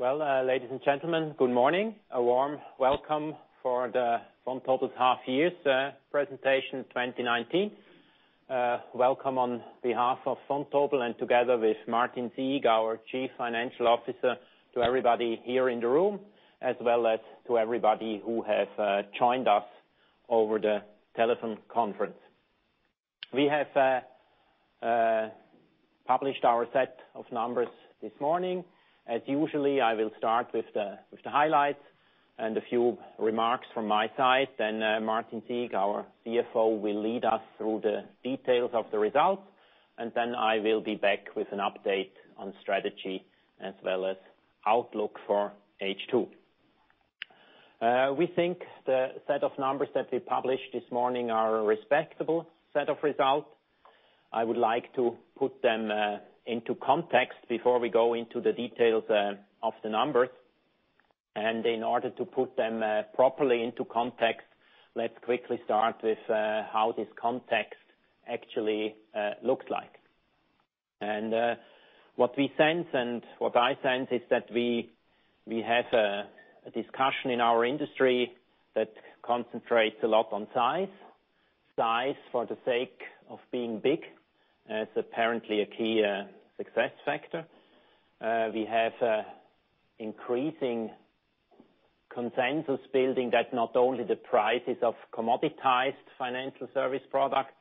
Well, ladies and gentlemen, good morning. A warm welcome for the Vontobel's half year presentation 2019. Welcome on behalf of Vontobel, together with Martin Sieg, our Chief Financial Officer, to everybody here in the room, as well as to everybody who has joined us over the telephone conference. We have published our set of numbers this morning. As usually, I will start with the highlights and a few remarks from my side. Martin Sieg, our CFO, will lead us through the details of the results, and then I will be back with an update on strategy as well as outlook for H2. We think the set of numbers that we published this morning are a respectable set of results. I would like to put them into context before we go into the details of the numbers. In order to put them properly into context, let's quickly start with how this context actually looks like. What we sense and what I sense is that we have a discussion in our industry that concentrates a lot on size. Size for the sake of being big as apparently a key success factor. We have increasing consensus building that not only the prices of commoditized financial service products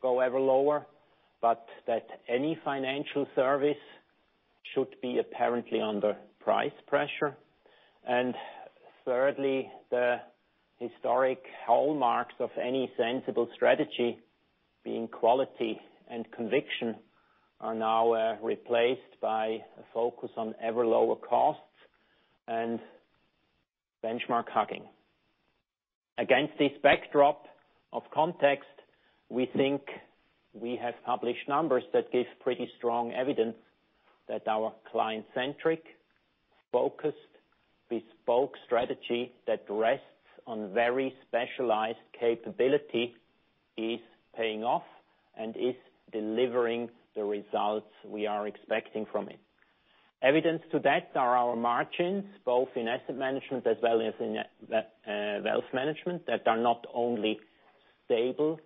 go ever lower, but that any financial service should be apparently under price pressure. Thirdly, the historic hallmarks of any sensible strategy, being quality and conviction, are now replaced by a focus on ever lower costs and benchmark hugging. Against this backdrop of context, we think we have published numbers that give pretty strong evidence that our client-centric, focused, bespoke strategy that rests on very specialized capability is paying off and is delivering the results we are expecting from it. Evidence to that are our margins, both in asset management as well as in wealth management, that are not only stable,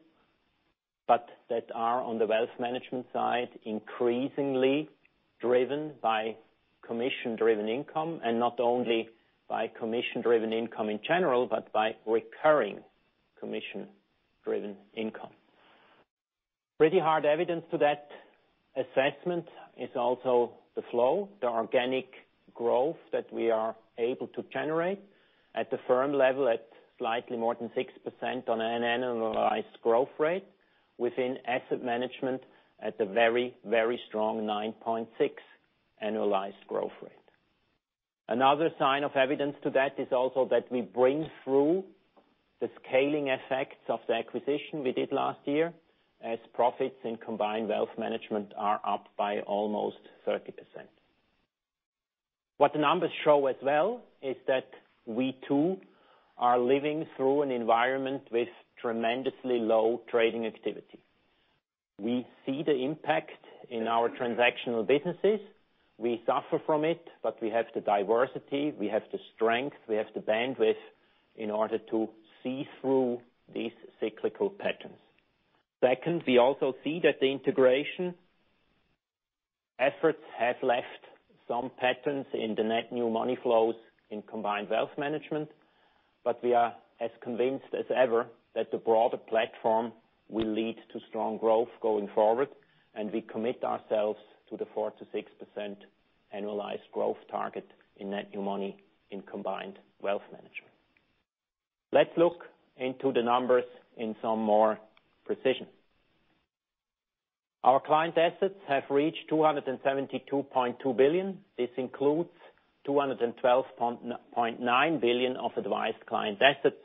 but that are, on the wealth management side, increasingly driven by commission-driven income, and not only by commission-driven income in general, but by recurring commission-driven income. Pretty hard evidence to that assessment is also the flow, the organic growth that we are able to generate at the firm level, at slightly more than 6% on an annualized growth rate. Within asset management at a very, very strong 9.6% annualized growth rate. Another sign of evidence to that is also that we bring through the scaling effects of the acquisition we did last year, as profits in combined wealth management are up by almost 30%. What the numbers show as well is that we too are living through an environment with tremendously low trading activity. We see the impact in our transactional businesses. We suffer from it, but we have the diversity, we have the strength, we have the bandwidth in order to see through these cyclical patterns. Second, we also see that the integration efforts have left some patterns in the net new money flows in combined wealth management. We are as convinced as ever that the broader platform will lead to strong growth going forward, and we commit ourselves to the 4%-6% annualized growth target in net new money in combined wealth management. Let's look into the numbers in some more precision. Our client assets have reached 272.2 billion. This includes 212.9 billion of advised client assets.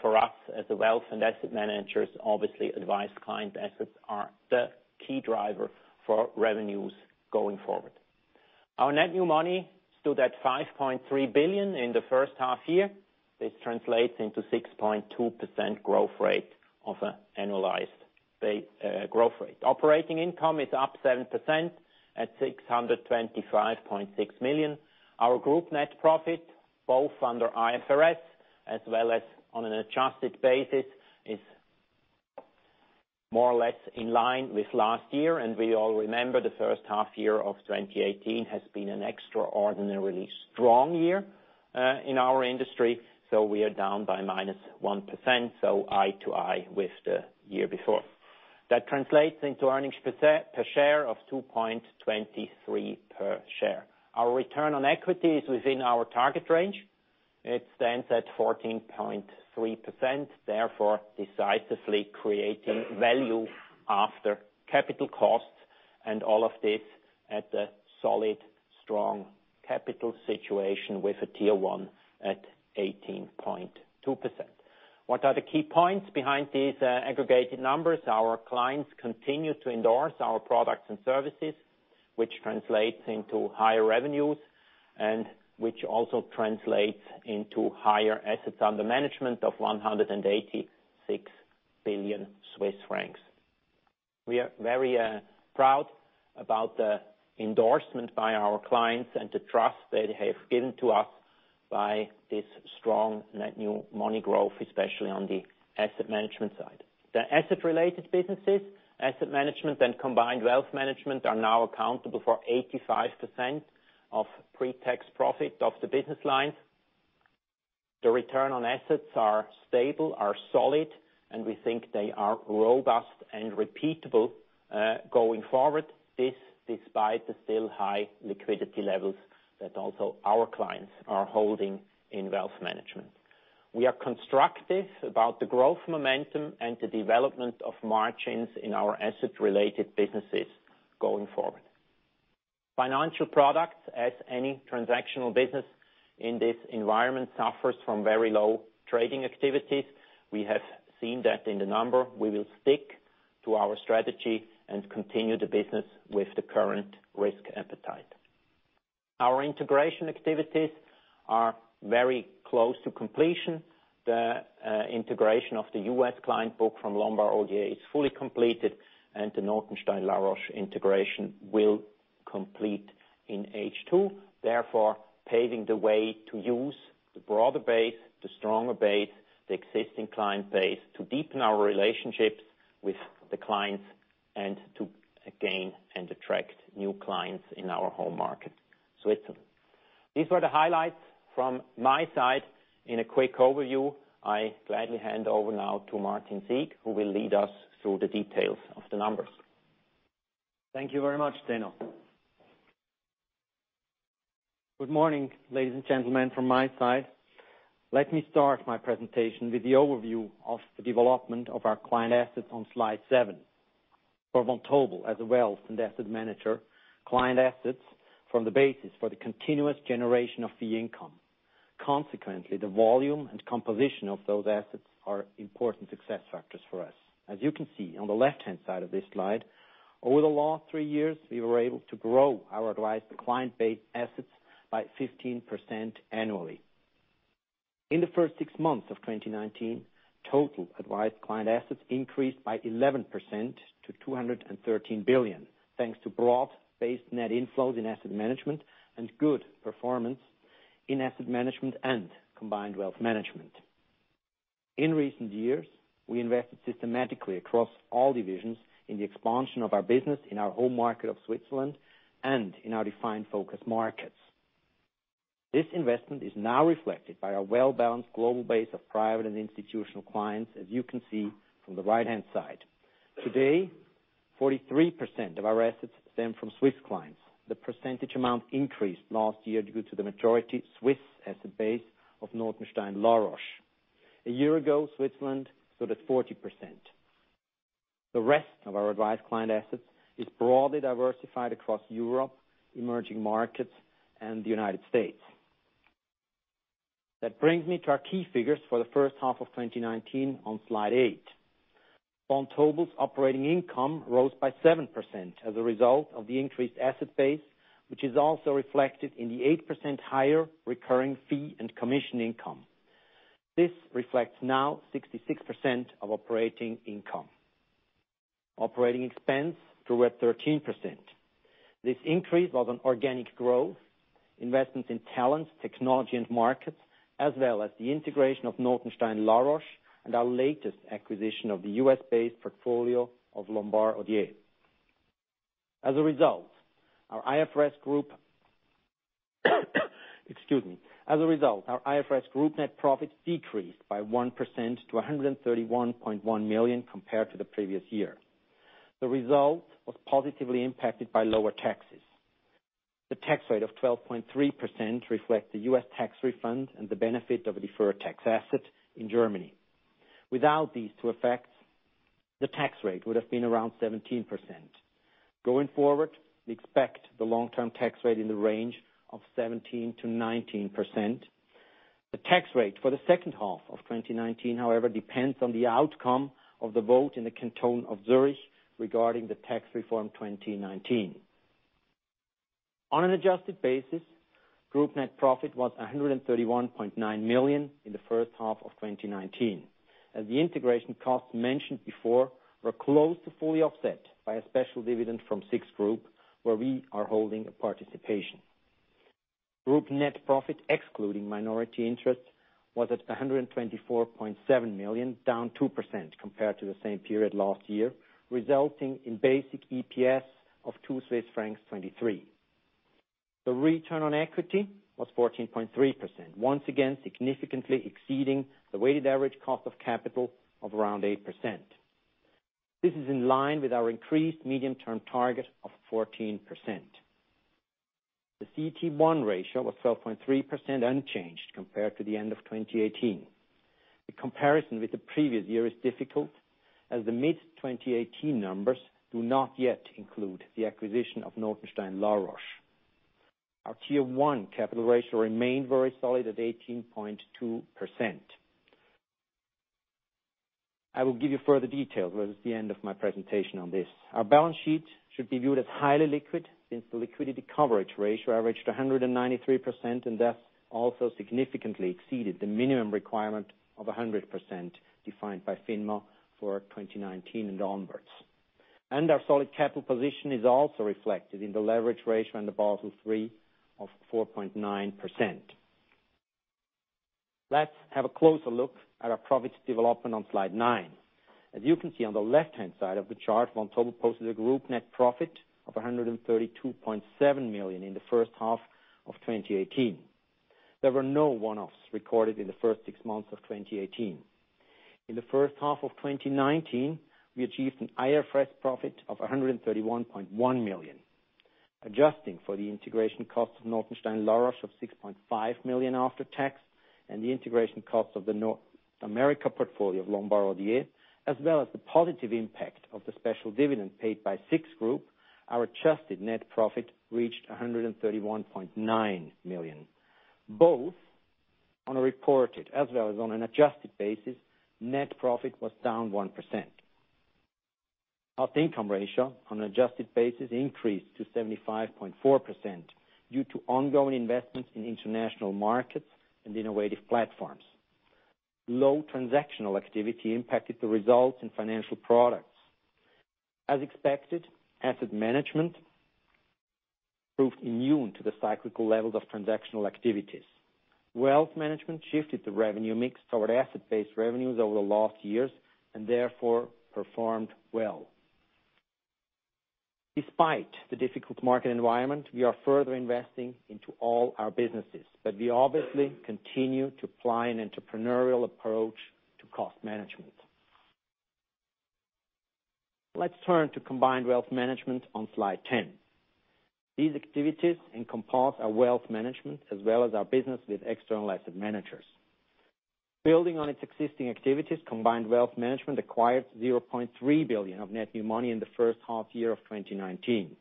For us, as the wealth and asset managers, obviously, advised client assets are the key driver for revenues going forward. Our net new money stood at 5.3 billion in the first half year. This translates into 6.2% growth rate of annualized growth rate. Operating income is up 7% at 625.6 million. Our group net profit, both under IFRS as well as on an adjusted basis, is more or less in line with last year. We all remember the first half year of 2018 has been an extraordinarily strong year in our industry. We are down by -1%, so eye to eye with the year before. That translates into earnings per share of 2.23 per share. Our return on equity is within our target range. It stands at 14.3%, therefore decisively creating value after capital costs, all of this at a solid, strong capital situation with a Tier 1 at 18.2%. What are the key points behind these aggregated numbers? Our clients continue to endorse our products and services, which translates into higher revenues. Which also translates into higher assets under management of 186 billion Swiss francs. We are very proud about the endorsement by our clients and the trust they have given to us by this strong net new money growth, especially on the asset management side. The asset related businesses, asset management and combined wealth management, are now accountable for 85% of pre-tax profit of the business lines. The return on assets are stable, are solid, we think they are robust and repeatable, going forward. This despite the still high liquidity levels that also our clients are holding in wealth management. We are constructive about the growth momentum and the development of margins in our asset related businesses going forward. Financial products, as any transactional business in this environment, suffers from very low trading activities. We have seen that in the number. We will stick to our strategy and continue the business with the current risk appetite. Our integration activities are very close to completion. The integration of the U.S. client book from Lombard Odier is fully completed, and the Notenstein La Roche integration will complete in H2, therefore, paving the way to use the broader base, the stronger base, the existing client base, to deepen our relationships with the clients and to gain and attract new clients in our home market, Switzerland. These were the highlights from my side in a quick overview. I gladly hand over now to Martin Sieg, who will lead us through the details of the numbers. Thank you very much, Zeno. Good morning, ladies and gentlemen, from my side. Let me start my presentation with the overview of the development of our client assets on slide seven. For Vontobel, as a wealth and asset manager, client assets form the basis for the continuous generation of fee income. Consequently, the volume and composition of those assets are important success factors for us. As you can see on the left-hand side of this slide, over the last three years, we were able to grow our advised client base assets by 15% annually. In the first six months of 2019, total advised client assets increased by 11% to 213 billion, thanks to broad-based net inflows in asset management and good performance in asset management and combined wealth management. In recent years, we invested systematically across all divisions in the expansion of our business in our home market of Switzerland and in our defined focus markets. This investment is now reflected by our well-balanced global base of private and institutional clients, as you can see from the right-hand side. Today, 43% of our assets stem from Swiss clients. The percentage amount increased last year due to the majority Swiss asset base of Notenstein La Roche. A year ago, Switzerland stood at 40%. The rest of our advised client assets is broadly diversified across Europe, emerging markets, and the U.S. That brings me to our key figures for the first half of 2019 on slide eight. Vontobel's operating income rose by 7% as a result of the increased asset base, which is also reflected in the 8% higher recurring fee and commission income. This reflects now 66% of operating income. Operating expense grew at 13%. This increase was on organic growth, investments in talents, technology, and markets, as well as the integration of Notenstein La Roche and our latest acquisition of the US-based portfolio of Lombard Odier. Excuse me. Our IFRS group net profit decreased by 1% to 131.1 million compared to the previous year. The result was positively impacted by lower taxes. The tax rate of 12.3% reflects the US tax refund and the benefit of a deferred tax asset in Germany. Without these two effects, the tax rate would've been around 17%. Going forward, we expect the long-term tax rate in the range of 17%-19%. The tax rate for the second half of 2019, however, depends on the outcome of the vote in the Canton of Zurich regarding the tax reform 2019. On an adjusted basis, group net profit was 131.9 million in the first half of 2019, as the integration costs mentioned before were close to fully offset by a special dividend from SIX Group, where we are holding a participation. Group net profit excluding minority interests was at 124.7 million, down 2% compared to the same period last year, resulting in basic EPS of 2.23 Swiss francs. The return on equity was 14.3%, once again, significantly exceeding the weighted average cost of capital of around 8%. This is in line with our increased medium-term target of 14%. The CET1 ratio was 12.3%, unchanged compared to the end of 2018. The comparison with the previous year is difficult, as the mid-2018 numbers do not yet include the acquisition of Notenstein La Roche. Our Tier 1 capital ratio remained very solid at 18.2%. I will give you further details towards the end of my presentation on this. Our balance sheet should be viewed as highly liquid since the liquidity coverage ratio averaged 193% and thus also significantly exceeded the minimum requirement of 100% defined by FINMA for 2019 and onwards. Our solid capital position is also reflected in the leverage ratio and the Basel III of 4.9%. Let's have a closer look at our profits development on slide nine. As you can see on the left-hand side of the chart, Vontobel posted a group net profit of 132.7 million in the first half of 2018. There were no one-offs recorded in the first six months of 2018. In the first half of 2019, we achieved an IFRS profit of 131.1 million. Adjusting for the integration cost of Notenstein La Roche of 6.5 million after tax, and the integration cost of the North America portfolio of Lombard Odier, as well as the positive impact of the special dividend paid by SIX Group, our adjusted net profit reached 131.9 million. Both on a reported as well as on an adjusted basis, net profit was down 1%. Our income ratio on an adjusted basis increased to 75.4% due to ongoing investments in international markets and innovative platforms. Low transactional activity impacted the results in financial products. As expected, asset management proved immune to the cyclical levels of transactional activities. Wealth management shifted the revenue mix toward asset-based revenues over the last years, and therefore performed well. Despite the difficult market environment, we are further investing into all our businesses, but we obviously continue to apply an entrepreneurial approach to cost management. Let's turn to combined wealth management on slide 10. These activities encompass our wealth management as well as our business with external asset managers. Building on its existing activities, combined wealth management acquired 0.3 billion of net new money in the first half year of 2019.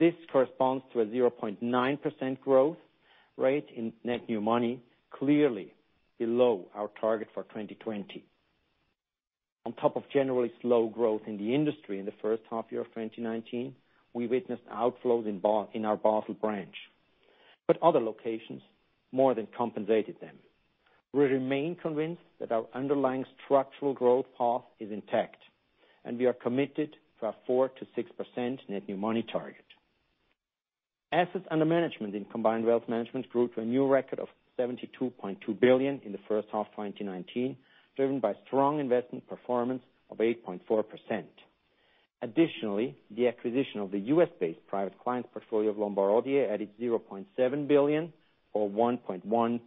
This corresponds to a 0.9% growth rate in net new money, clearly below our target for 2020. On top of generally slow growth in the industry in the first half year of 2019, we witnessed outflows in our Basel branch. Other locations more than compensated them. We remain convinced that our underlying structural growth path is intact, and we are committed to our 4%-6% net new money target. Assets under management in combined wealth management grew to a new record of 72.2 billion in the first half 2019, driven by strong investment performance of 8.4%. Additionally, the acquisition of the U.S.-based private client portfolio of Lombard Odier added 0.7 billion or 1.1%.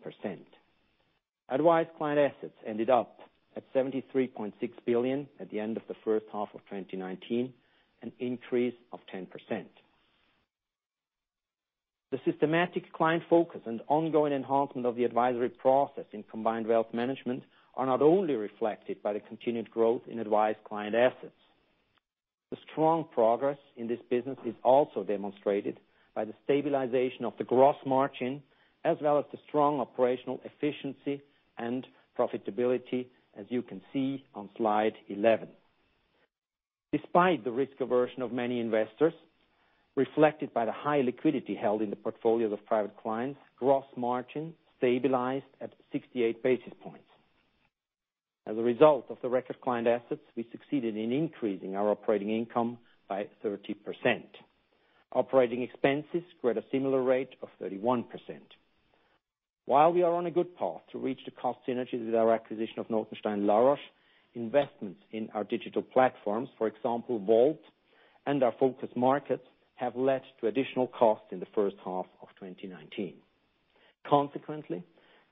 Advised client assets ended up at 73.6 billion at the end of the first half of 2019, an increase of 10%. The systematic client focus and ongoing enhancement of the advisory process in combined wealth management are not only reflected by the continued growth in advised client assets. The strong progress in this business is also demonstrated by the stabilization of the gross margin, as well as the strong operational efficiency and profitability, as you can see on slide 11. Despite the risk aversion of many investors, reflected by the high liquidity held in the portfolios of private clients, gross margin stabilized at 68 basis points. As a result of the record client assets, we succeeded in increasing our operating income by 30%. Operating expenses grew at a similar rate of 31%. While we are on a good path to reach the cost synergies with our acquisition of Notenstein La Roche, investments in our digital platforms, for example, Volt and our focus markets, have led to additional costs in the first half of 2019. Consequently,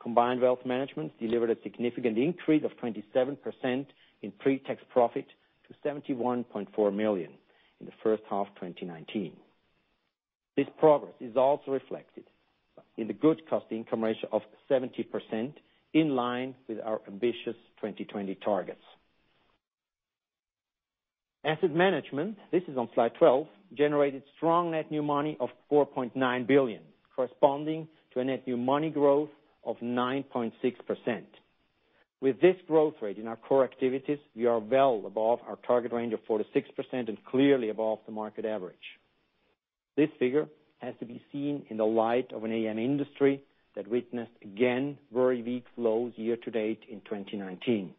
combined wealth management delivered a significant increase of 27% in pre-tax profit to 71.4 million in the first half 2019. This progress is also reflected in the good cost income ratio of 70%, in line with our ambitious 2020 targets. Asset management, this is on slide 12, generated strong net new money of 4.9 billion, corresponding to a net new money growth of 9.6%. With this growth rate in our core activities, we are well above our target range of 4%-6% and clearly above the market average. This figure has to be seen in the light of an AUM industry that witnessed again very weak flows year to date in 2019.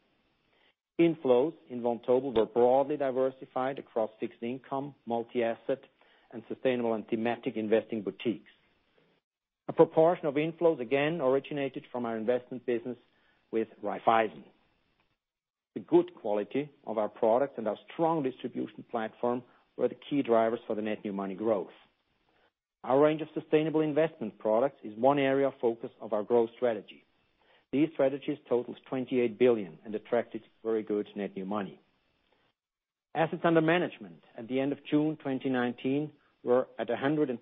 Inflows in Vontobel were broadly diversified across fixed income, multi-asset, and sustainable and thematic investing boutiques. A proportion of inflows again originated from our investment business with Raiffeisen. The good quality of our products and our strong distribution platform were the key drivers for the net new money growth. Our range of sustainable investment products is one area of focus of our growth strategy. These strategies totals 28 billion and attracted very good net new money. Assets under management at the end of June 2019 were at 112.2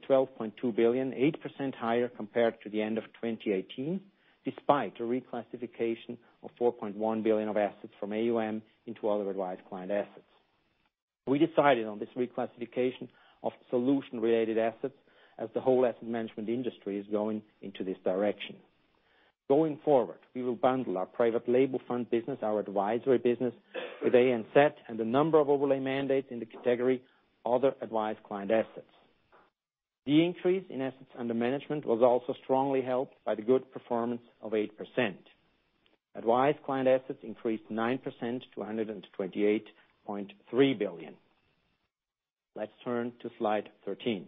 billion, 8% higher compared to the end of 2018, despite a reclassification of 4.1 billion of assets from AUM into other advised client assets. We decided on this reclassification of solution-related assets as the whole asset management industry is going into this direction. Going forward, we will bundle our private label fund business, our advisory business with AUM set and the number of overlay mandates in the category Other Advised Client Assets. The increase in assets under management was also strongly helped by the good performance of 8%. Advised client assets increased 9% to 128.3 billion. Let's turn to slide 13.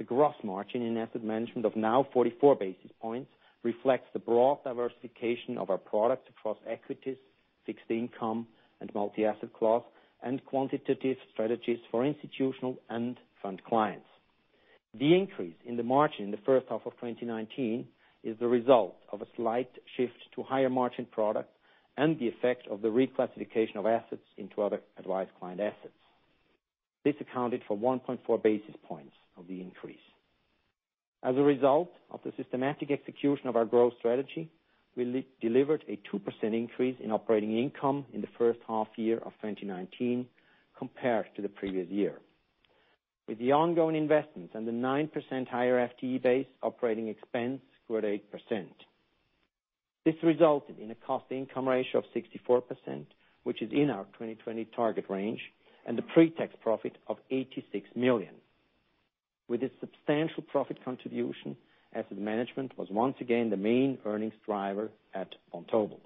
The gross margin in asset management of now 44 basis points reflects the broad diversification of our product across equities, fixed income and multi-asset class, and quantitative strategies for institutional and fund clients. The increase in the margin in the first half of 2019 is the result of a slight shift to higher margin product and the effect of the reclassification of assets into other advised client assets. This accounted for 1.4 basis points of the increase. As a result of the systematic execution of our growth strategy, we delivered a 2% increase in operating income in the first half year of 2019 compared to the previous year. With the ongoing investments and the 9% higher FTE base, operating expense grew at 8%. This resulted in a cost income ratio of 64%, which is in our 2020 target range, and a pre-tax profit of 86 million. With a substantial profit contribution, asset management was once again the main earnings driver at Vontobel.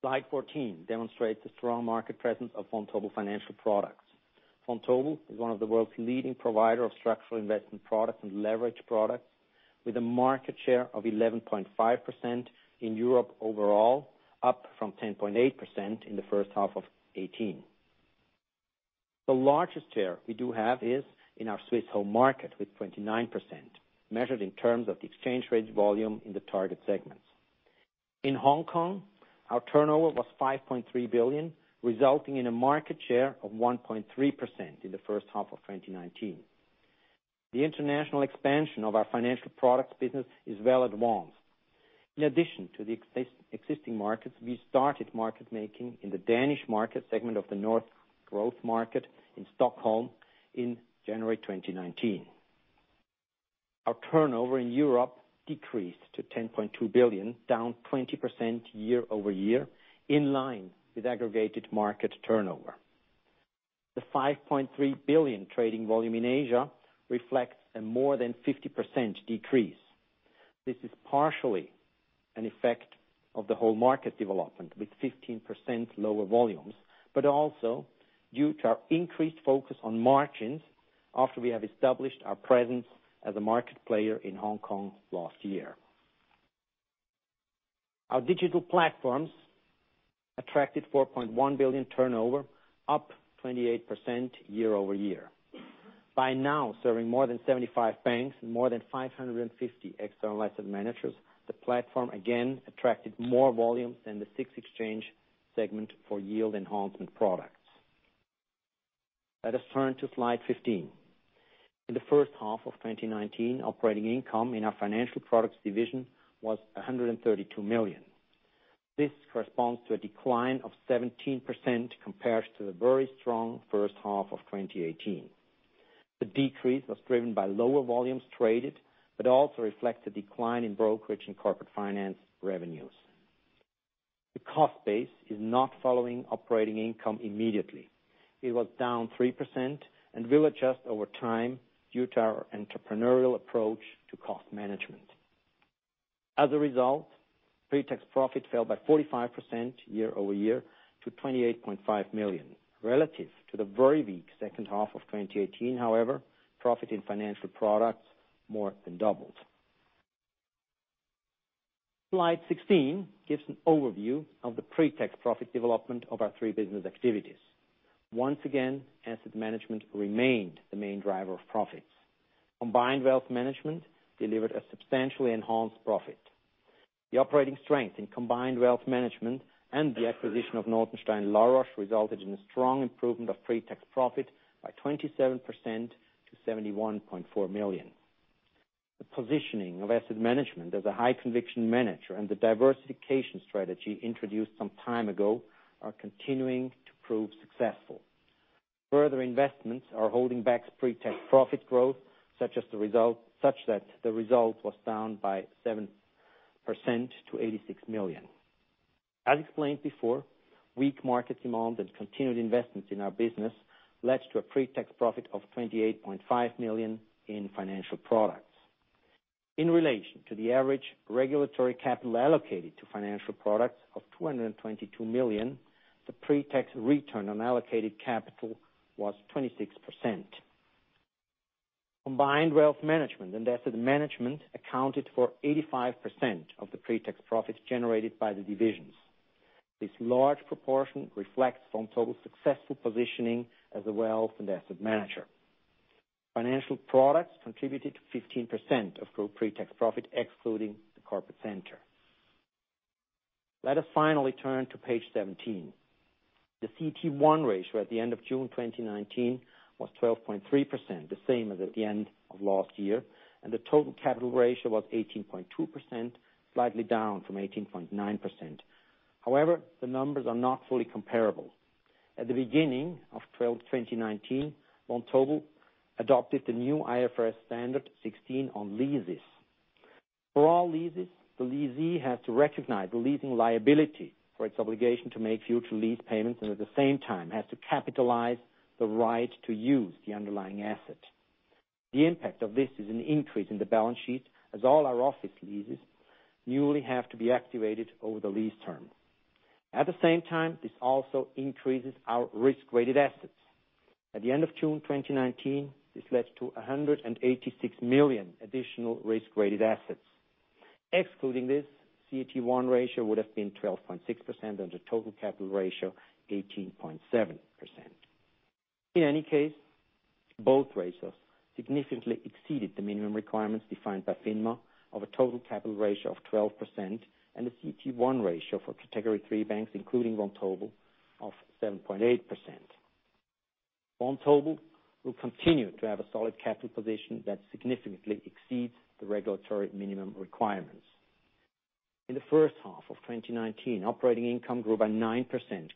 Slide 14 demonstrates the strong market presence of Vontobel Financial Products. Vontobel is one of the world's leading provider of structured investment products and leverage products with a market share of 11.5% in Europe overall, up from 10.8% in the first half of 2018. The largest share we do have is in our Swiss home market with 29%, measured in terms of the exchange-traded volume in the target segments. In Hong Kong, our turnover was $5.3 billion, resulting in a market share of 1.3% in the first half of 2019. The international expansion of our financial products business is well advanced. In addition to the existing markets, we started market-making in the Danish market segment of the Nordic Growth Market in Stockholm in January 2019. Our turnover in Europe decreased to 10.2 billion, down 20% year-over-year, in line with aggregated market turnover. The $5.3 billion trading volume in Asia reflects a more than 50% decrease. This is partially an effect of the whole market development with 15% lower volumes, but also due to our increased focus on margins after we have established our presence as a market player in Hong Kong last year. Our digital platforms attracted 4.1 billion turnover, up 28% year-over-year. By now serving more than 75 banks and more than 550 external asset managers, the platform again attracted more volume than the SIX Exchange segment for yield enhancement products. Let us turn to slide 15. In the first half of 2019, operating income in our Financial Products Division was 132 million. This corresponds to a decline of 17% compared to the very strong first half of 2018. The decrease was driven by lower volumes traded, but also reflects the decline in brokerage and corporate finance revenues. The cost base is not following operating income immediately. It was down 3% and will adjust over time due to our entrepreneurial approach to cost management. As a result, pre-tax profit fell by 45% year-over-year to 28.5 million. Relative to the very weak second half of 2018, however, profit in financial products more than doubled. Slide 16 gives an overview of the pre-tax profit development of our three business activities. Once again, asset management remained the main driver of profits. Combined wealth management delivered a substantially enhanced profit. The operating strength in combined wealth management and the acquisition of Notenstein La Roche resulted in a strong improvement of pre-tax profit by 27% to 71.4 million. The positioning of asset management as a high conviction manager and the diversification strategy introduced some time ago are continuing to prove successful. Further investments are holding back pre-tax profit growth, such that the result was down by 7% to 86 million. As explained before, weak market demand and continued investments in our business led to a pre-tax profit of 28.5 million in financial products. In relation to the average regulatory capital allocated to financial products of 222 million, the pre-tax return on allocated capital was 26%. Combined wealth management and asset management accounted for 85% of the pre-tax profits generated by the divisions. This large proportion reflects Vontobel's successful positioning as a wealth and asset manager. Financial products contributed to 15% of group pre-tax profit, excluding the corporate center. Let us finally turn to page 17. The CET1 ratio at the end of June 2019 was 12.3%, the same as at the end of last year, and the total capital ratio was 18.2%, slightly down from 18.9%. The numbers are not fully comparable. At the beginning of 2019, Vontobel adopted the new IFRS Standard 16 on leases. For all leases, the lessee has to recognize the leasing liability for its obligation to make future lease payments and at the same time has to capitalize the right to use the underlying asset. The impact of this is an increase in the balance sheet as all our office leases newly have to be activated over the lease term. At the same time, this also increases our risk-weighted assets. At the end of June 2019, this led to 186 million additional risk-weighted assets. Excluding this, CET1 ratio would've been 12.6% and a total capital ratio 18.7%. In any case, both ratios significantly exceeded the minimum requirements defined by FINMA of a total capital ratio of 12% and a CET1 ratio for Category 3 banks, including Vontobel of 7.8%. Vontobel will continue to have a solid capital position that significantly exceeds the regulatory minimum requirements. In the first half of 2019, operating income grew by 9%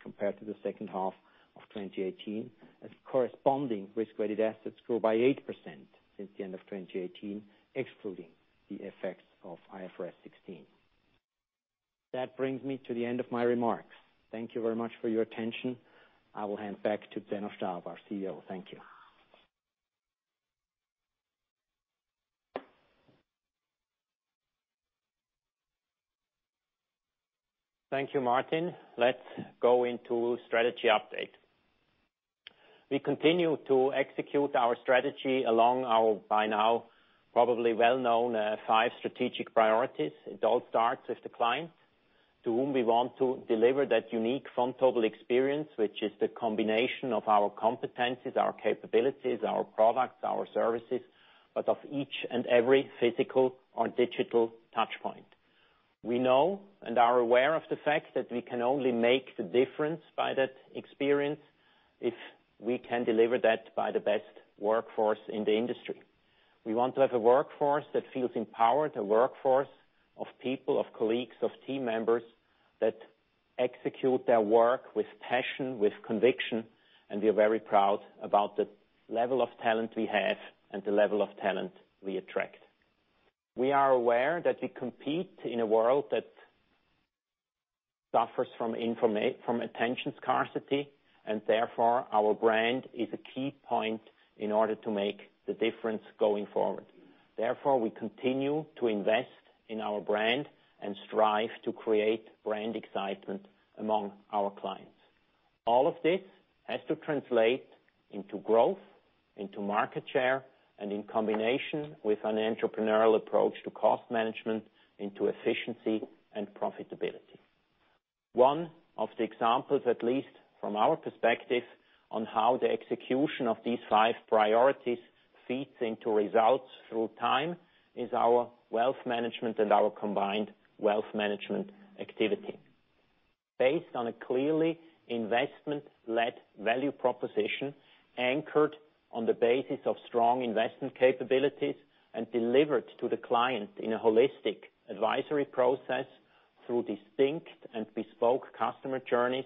compared to the second half of 2018 as corresponding risk-weighted assets grew by 8% since the end of 2018, excluding the effects of IFRS 16. That brings me to the end of my remarks. Thank you very much for your attention. I will hand back to Zeno Staub, our CEO. Thank you. Thank you, Martin. Let's go into strategy update. We continue to execute our strategy along our, by now, probably well-known five strategic priorities. It all starts with the client to whom we want to deliver that unique Vontobel experience, which is the combination of our competencies, our capabilities, our products, our services, but of each and every physical or digital touch point. We know and are aware of the fact that we can only make the difference by that experience if we can deliver that by the best workforce in the industry. We want to have a workforce that feels empowered, a workforce of people, of colleagues, of team members that execute their work with passion, with conviction, and we are very proud about the level of talent we have and the level of talent we attract. We are aware that we compete in a world that suffers from attention scarcity. Therefore, our brand is a key point in order to make the difference going forward. Therefore, we continue to invest in our brand and strive to create brand excitement among our clients. All of this has to translate into growth, into market share, and in combination with an entrepreneurial approach to cost management into efficiency and profitability. One of the examples, at least from our perspective, on how the execution of these five priorities feeds into results through time is our wealth management and our combined wealth management activity. Based on a clearly investment-led value proposition anchored on the basis of strong investment capabilities and delivered to the client in a holistic advisory process through distinct and bespoke customer journeys.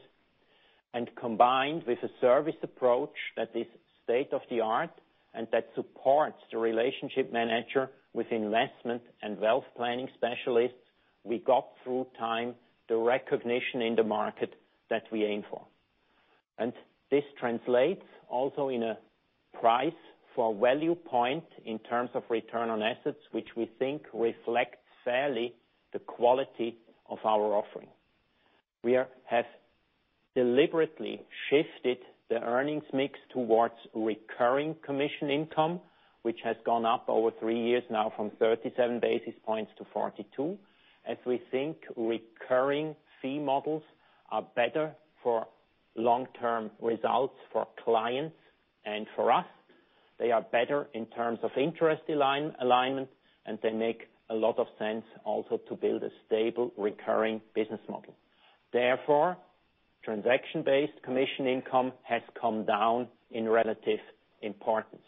Combined with a service approach that is state-of-the-art and that supports the relationship manager with investment and wealth planning specialists. We got through time the recognition in the market that we aim for. This translates also in a price for value point in terms of return on assets, which we think reflects fairly the quality of our offering. We have deliberately shifted the earnings mix towards recurring commission income, which has gone up over three years now from 37 basis points to 42. As we think recurring fee models are better for long-term results for clients and for us. They are better in terms of interest alignment, and they make a lot of sense also to build a stable recurring business model. Therefore, transaction-based commission income has come down in relative importance.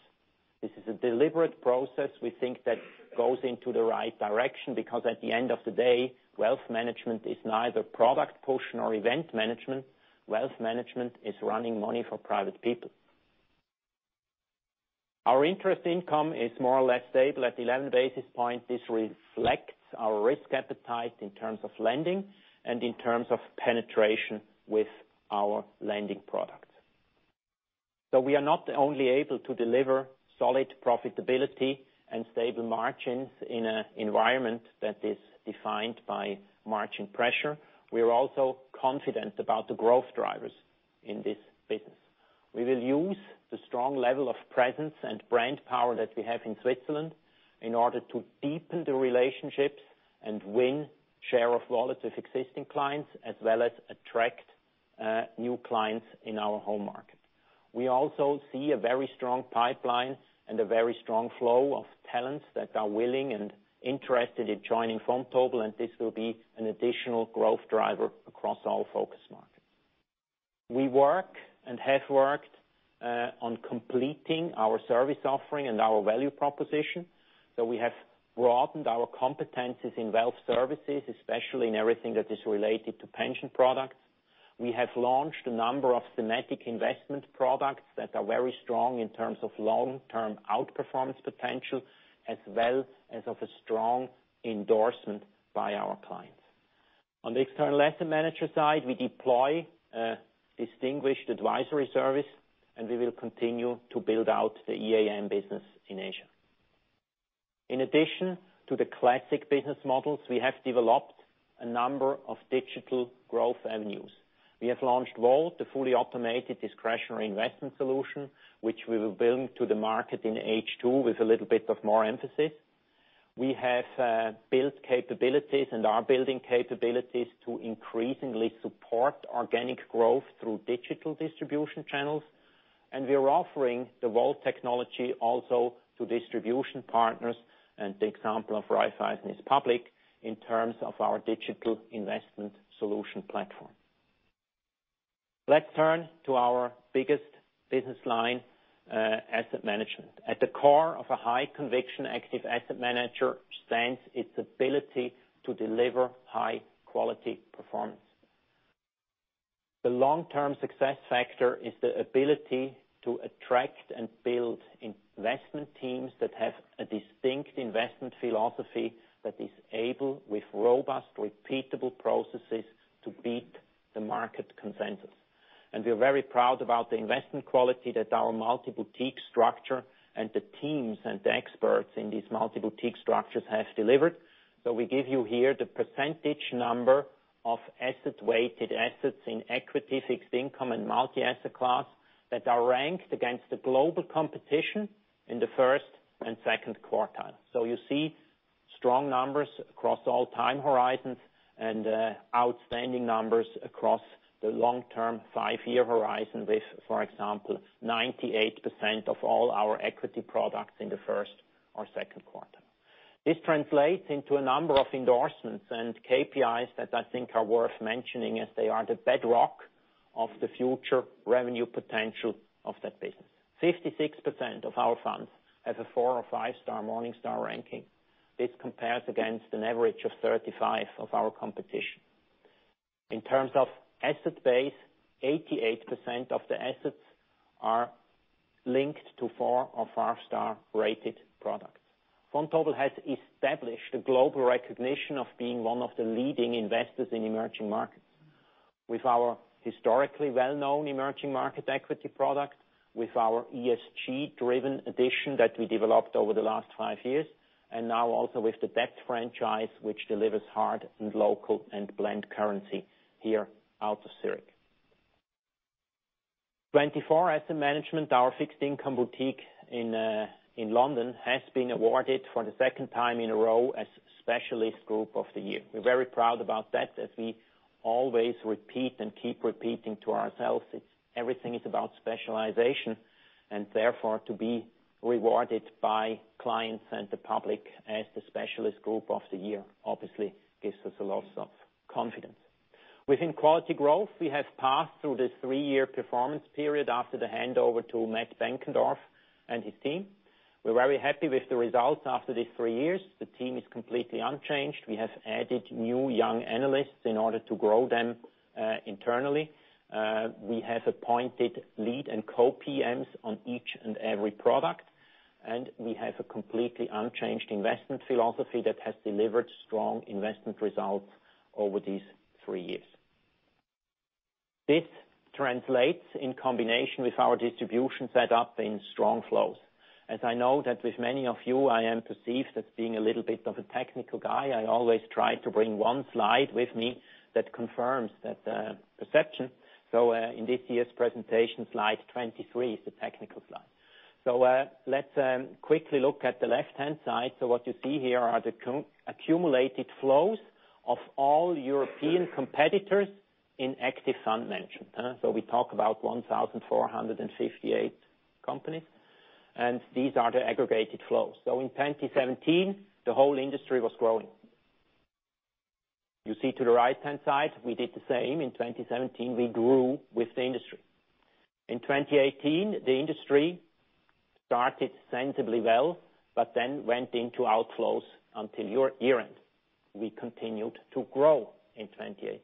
This is a deliberate process we think that goes into the right direction because, at the end of the day, wealth management is neither product push nor event management. Wealth management is running money for private people. Our interest income is more or less stable at 11 basis points. This reflects our risk appetite in terms of lending and in terms of penetration with our lending product. We are not only able to deliver solid profitability and stable margins in an environment that is defined by margin pressure. We are also confident about the growth drivers in this business. We will use the strong level of presence and brand power that we have in Switzerland in order to deepen the relationships and win share of wallet with existing clients, as well as attract new clients in our home market. We also see a very strong pipeline and a very strong flow of talents that are willing and interested in joining Vontobel, and this will be an additional growth driver across all focus markets. We work and have worked on completing our service offering and our value proposition. We have broadened our competencies in wealth services, especially in everything that is related to pension products. We have launched a number of thematic investment products that are very strong in terms of long-term outperformance potential, as well as of a strong endorsement by our clients. On the external asset manager side, we deploy a distinguished advisory service, and we will continue to build out the EAM business in Asia. In addition to the classic business models, we have developed a number of digital growth avenues. We have launched Volt, the fully automated discretionary investment solution, which we will bring to the market in H2 with a little bit of more emphasis. We have built capabilities and are building capabilities to increasingly support organic growth through digital distribution channels. We are offering the Volt technology also to distribution partners, and the example of Raiffeisen is public in terms of our digital investment solution platform. Let's turn to our biggest business line, asset management. At the core of a high-conviction active asset manager stands its ability to deliver high-quality performance. The long-term success factor is the ability to attract and build investment teams that have a distinct investment philosophy that is able, with robust, repeatable processes, to beat the market consensus. We are very proud about the investment quality that our multi-boutique structure and the teams and the experts in these multi-boutique structures have delivered. We give you here the percentage number of asset-weighted assets in equity, fixed income, and multi-asset class that are ranked against the global competition in the first and second quartile. You see strong numbers across all time horizons and outstanding numbers across the long-term five-year horizon with, for example, 98% of all our equity products in the first or second quartile. This translates into a number of endorsements and KPIs that I think are worth mentioning, as they are the bedrock of the future revenue potential of that business. 56% of our funds have a four or five-star Morningstar ranking. This compares against an average of 35 of our competition. In terms of asset base, 88% of the assets are linked to 4 or 5-star rated products. Vontobel has established a global recognition of being one of the leading investors in emerging markets. With our historically well-known emerging market equity product, with our ESG-driven addition that we developed over the last five years, and now also with the debt franchise, which delivers hard and local and blend currency here out of Zurich. TwentyFour Asset Management, our fixed income boutique in London, has been awarded for the second time in a row as Specialist Group of the Year. We're very proud about that, as we always repeat and keep repeating to ourselves, everything is about specialization, and therefore, to be rewarded by clients and the public as the Specialist Group of the Year, obviously gives us a lot of confidence. Within Quality Growth, we have passed through the three-year performance period after the handover to Matt Benkendorf and his team. We're very happy with the results after these three years. The team is completely unchanged. We have added new young analysts in order to grow them internally. We have appointed lead and co-PMs on each and every product, and we have a completely unchanged investment philosophy that has delivered strong investment results over these three years. This translates in combination with our distribution set-up in strong flows. As I know that with many of you, I am perceived as being a little bit of a technical guy. I always try to bring one slide with me that confirms that perception. In this year's presentation, slide 23 is the technical slide. Let's quickly look at the left-hand side. What you see here are the accumulated flows of all European competitors in active fund management. We talk about 1,458 companies, and these are the aggregated flows. In 2017, the whole industry was growing. You see to the right-hand side, we did the same in 2017. We grew with the industry. In 2018, the industry started sensibly well, but then went into outflows until year-end. We continued to grow in 2018.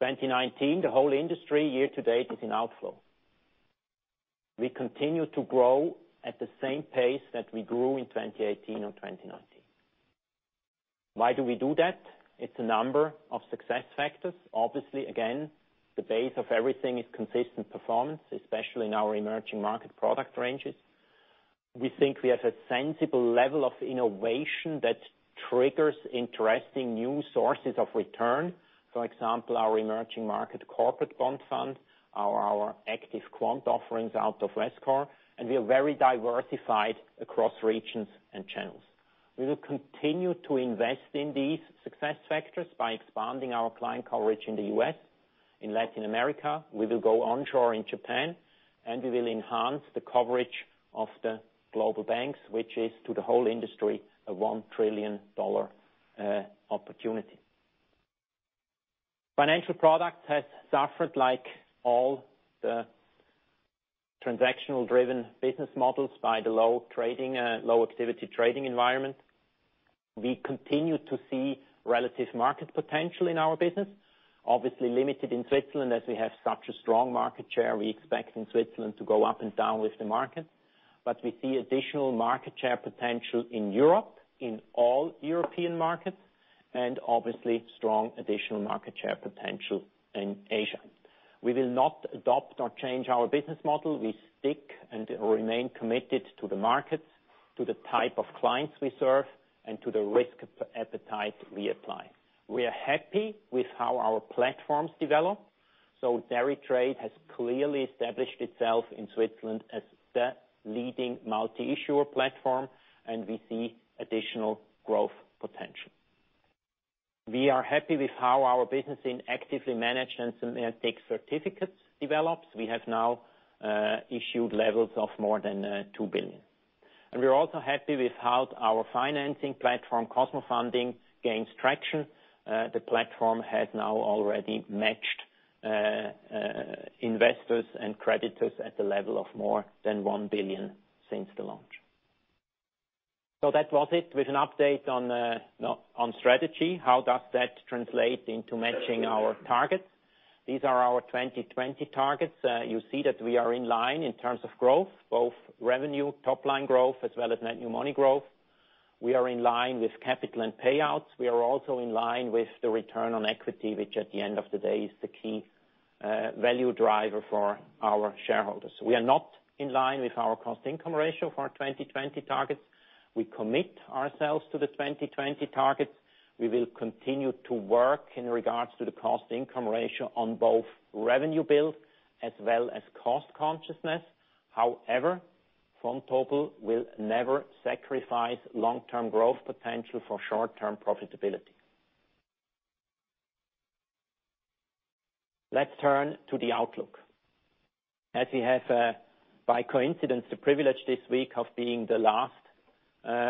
2019, the whole industry year to date is in outflow. We continue to grow at the same pace that we grew in 2018 and 2019. Why do we do that? It's a number of success factors. Obviously, again, the base of everything is consistent performance, especially in our emerging market product ranges. We think we have a sensible level of innovation that triggers interesting new sources of return. For example, our emerging market corporate bond fund, our active quant offerings out of Vescore, and we are very diversified across regions and channels. We will continue to invest in these success factors by expanding our client coverage in the U.S., in Latin America. We will go onshore in Japan, and we will enhance the coverage of the global banks, which is, to the whole industry, a $1 trillion opportunity. Financial Products has suffered, like all the transactional-driven business models, by the low activity trading environment. We continue to see relative market potential in our business, obviously limited in Switzerland, as we have such a strong market share. We expect in Switzerland to go up and down with the market. We see additional market share potential in Europe, in all European markets, and obviously strong additional market share potential in Asia. We will not adopt or change our business model. We stick and remain committed to the markets, to the type of clients we serve, and to the risk appetite we apply. We are happy with how our platforms develop. deritrade has clearly established itself in Switzerland as the leading multi-issuer platform, and we see additional growth potential. We are happy with how our business in actively managed and synthetic certificates develops. We have now issued levels of more than 2 billion. We are also happy with how our financing platform, cosmofunding, gains traction. The platform has now already matched investors and creditors at the level of more than 1 billion since the launch. That was it with an update on strategy. How does that translate into matching our targets? These are our 2020 targets. You see that we are in line in terms of growth, both revenue, top-line growth, as well as net new money growth. We are in line with capital and payouts. We are also in line with the return on equity, which at the end of the day is the key value driver for our shareholders. We are not in line with our cost income ratio for our 2020 targets. We commit ourselves to the 2020 targets. We will continue to work in regards to the cost income ratio on both revenue build as well as cost consciousness. Vontobel will never sacrifice long-term growth potential for short-term profitability. Let's turn to the outlook. As we have, by coincidence, the privilege this week of being the last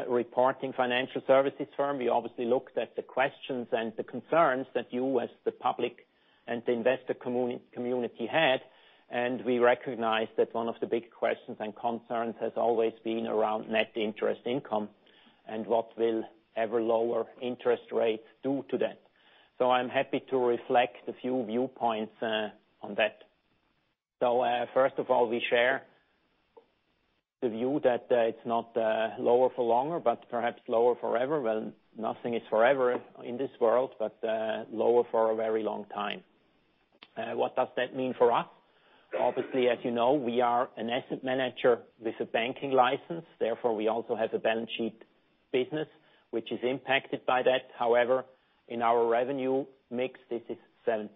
reporting financial services firm, we obviously looked at the questions and the concerns that you as the public and the investor community had, and we recognized that one of the big questions and concerns has always been around net interest income and what will ever-lower interest rates do to that. I'm happy to reflect a few viewpoints on that. First of all, we share the view that it's not lower for longer, but perhaps lower forever. Nothing is forever in this world, but lower for a very long time. What does that mean for us? Obviously, as you know, we are an asset manager with a banking license. We also have a balance sheet business which is impacted by that. In our revenue mix, this is 7%.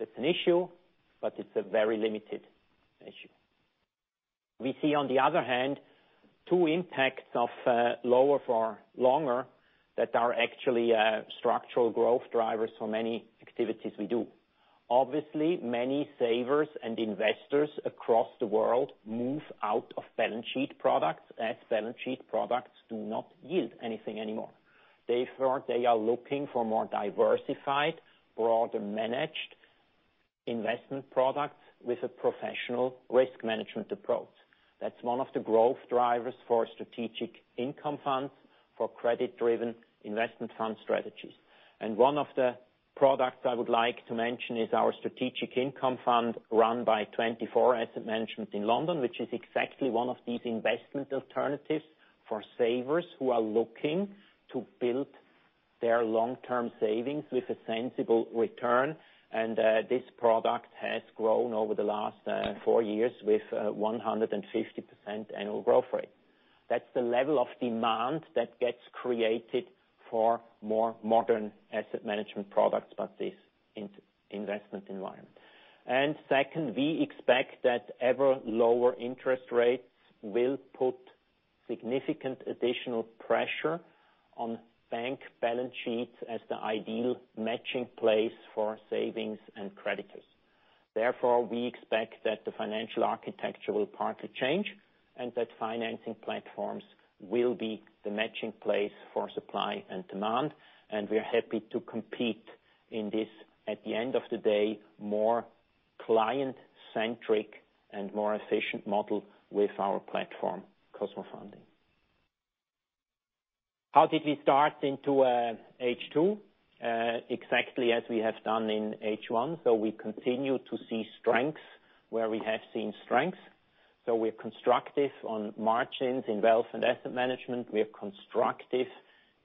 It's an issue, but it's a very limited issue. We see, on the other hand, two impacts of lower for longer that are actually structural growth drivers for many activities we do. Obviously, many savers and investors across the world move out of balance sheet products, as balance sheet products do not yield anything anymore. Therefore, they are looking for more diversified, broader managed investment products with a professional risk management approach. That's one of the growth drivers for strategic income funds for credit-driven investment fund strategies. One of the products I would like to mention is our strategic income fund run by TwentyFour Asset Management in London, which is exactly one of these investment alternatives for savers who are looking to build their long-term savings with a sensible return. This product has grown over the last four years with 150% annual growth rate. That's the level of demand that gets created for more modern asset management products by this investment environment. Second, we expect that ever-lower interest rates will put significant additional pressure on bank balance sheets as the ideal matching place for savings and creditors. Therefore, we expect that the financial architecture will partly change and that financing platforms will be the matching place for supply and demand, and we are happy to compete in this, at the end of the day, more client-centric and more efficient model with our platform, cosmofunding. How did we start into H2? Exactly as we have done in H1. We continue to see strengths where we have seen strengths. We're constructive on margins in wealth and asset management. We are constructive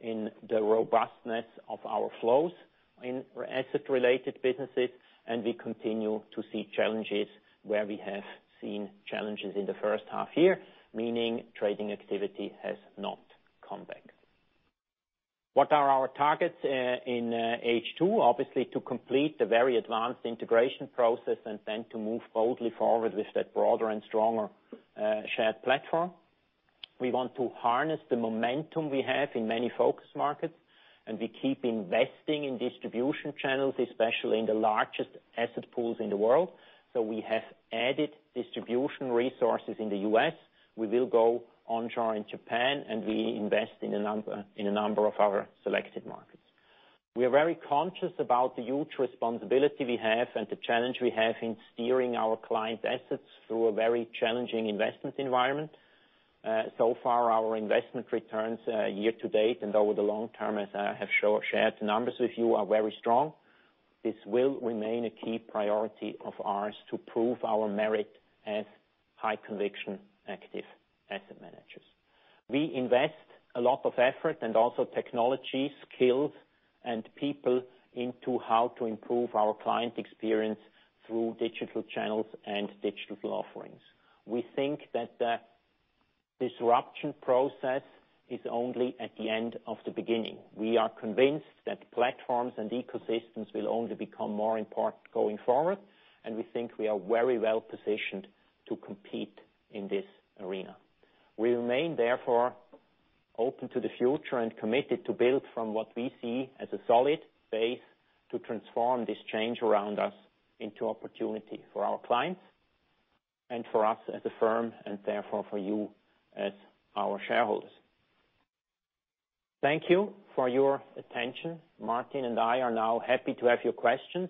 in the robustness of our flows in asset-related businesses, and we continue to see challenges where we have seen challenges in the first half year, meaning trading activity has not come back. What are our targets in H2? Obviously, to complete the very advanced integration process and then to move boldly forward with that broader and stronger shared platform. We want to harness the momentum we have in many focus markets, and we keep investing in distribution channels, especially in the largest asset pools in the world. We have added distribution resources in the U.S. We will go onshore in Japan, and we invest in a number of our selected markets. We are very conscious about the huge responsibility we have and the challenge we have in steering our client assets through a very challenging investment environment. So far, our investment returns year to date and over the long term, as I have shared the numbers with you, are very strong. This will remain a key priority of ours to prove our merit as high-conviction active asset managers. We invest a lot of effort and also technology skills and people into how to improve our client experience through digital channels and digital offerings. We think that the disruption process is only at the end of the beginning. We are convinced that platforms and ecosystems will only become more important going forward, and we think we are very well-positioned to compete in this arena. We remain, therefore, open to the future and committed to build from what we see as a solid base to transform this change around us into opportunity for our clients and for us as a firm, and therefore for you as our shareholders. Thank you for your attention. Martin and I are now happy to have your questions.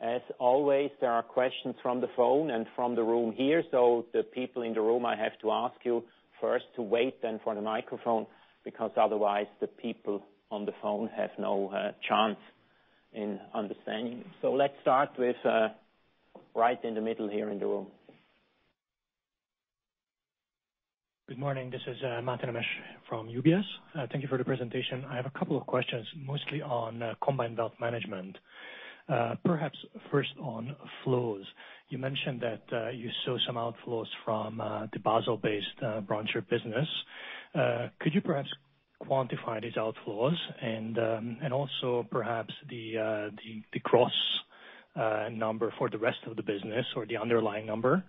As always, there are questions from the phone and from the room here. The people in the room, I have to ask you first to wait then for the microphone, because otherwise the people on the phone have no chance in understanding. Let's start with right in the middle here in the room. Good morning. This is Martin Amesh from UBS. Thank you for the presentation. I have a couple of questions, mostly on combined wealth management. Perhaps first on flows. You mentioned that you saw some outflows from the Basel-based branch or business. Could you perhaps quantify these outflows and also perhaps the cross number for the rest of the business or the underlying number?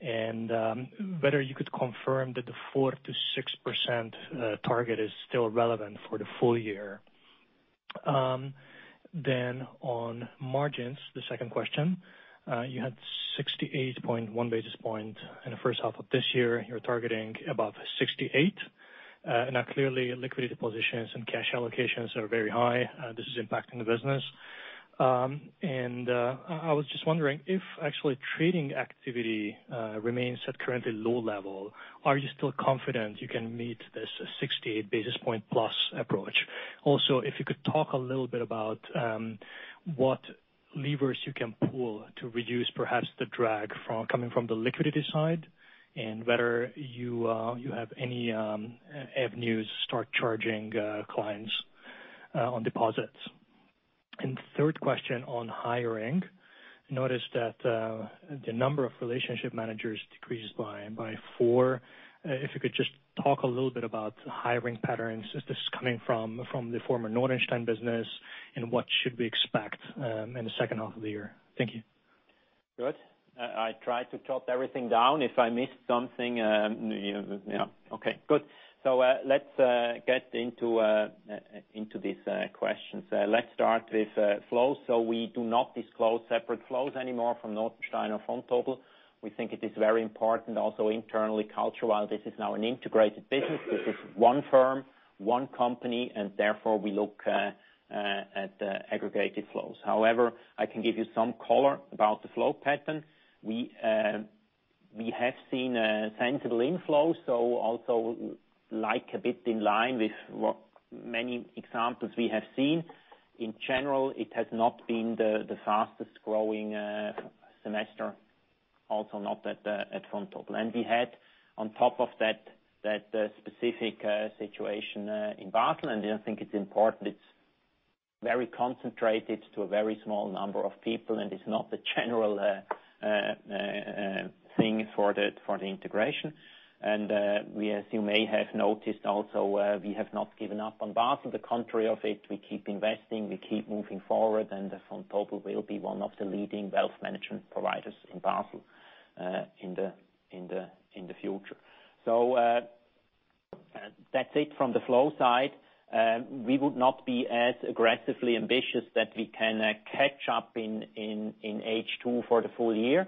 Whether you could confirm that the 4%-6% target is still relevant for the full year. On margins, the second question, you had 68.1 basis points in the first half of this year. You're targeting above 68. Clearly, liquidity positions and cash allocations are very high. This is impacting the business. I was just wondering if actually trading activity remains at currently low level, are you still confident you can meet this 68 basis points plus approach? If you could talk a little bit about what levers you can pull to reduce perhaps the drag coming from the liquidity side and whether you have any avenues to start charging clients on deposits. Third question on hiring. I noticed that the number of relationship managers decreased by four. If you could just talk a little bit about hiring patterns. Is this coming from the former Notenstein business, and what should we expect in the second half of the year? Thank you. Good. I tried to jot everything down. If I missed something, okay, good. Let's get into these questions. Let's start with flows. We do not disclose separate flows anymore from Notenstein or Vontobel. We think it is very important also internally cultural. This is now an integrated business. This is one firm, one company, and therefore we look at the aggregated flows. However, I can give you some color about the flow pattern. We have seen a sensible inflow, so also a bit in line with what many examples we have seen. In general, it has not been the fastest-growing semester, also not at Vontobel. We had on top of that specific situation in Basel, and I think it's important. It's very concentrated to a very small number of people, and it's not the general thing for the integration. As you may have noticed also, we have not given up on Basel. The contrary of it, we keep investing, we keep moving forward, Vontobel will be one of the leading wealth management providers in Basel in the future. That's it from the flow side. We would not be as aggressively ambitious that we can catch up in H2 for the full year.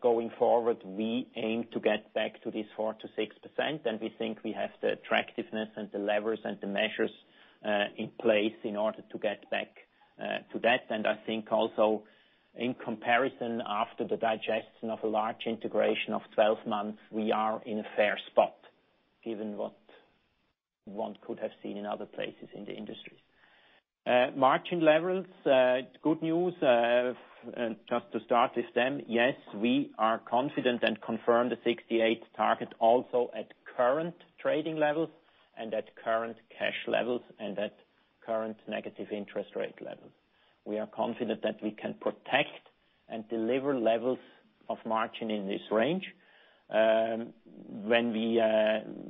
Going forward, we aim to get back to this 4%-6%, we think we have the attractiveness and the levers and the measures in place in order to get back to that. I think also in comparison, after the digestion of a large integration of 12 months, we are in a fair spot given what one could have seen in other places in the industry. Margin levels, good news. Yes, we are confident and confirm the 68 target also at current trading levels and at current cash levels and at current negative interest rate levels. We are confident that we can protect and deliver levels of margin in this range. When we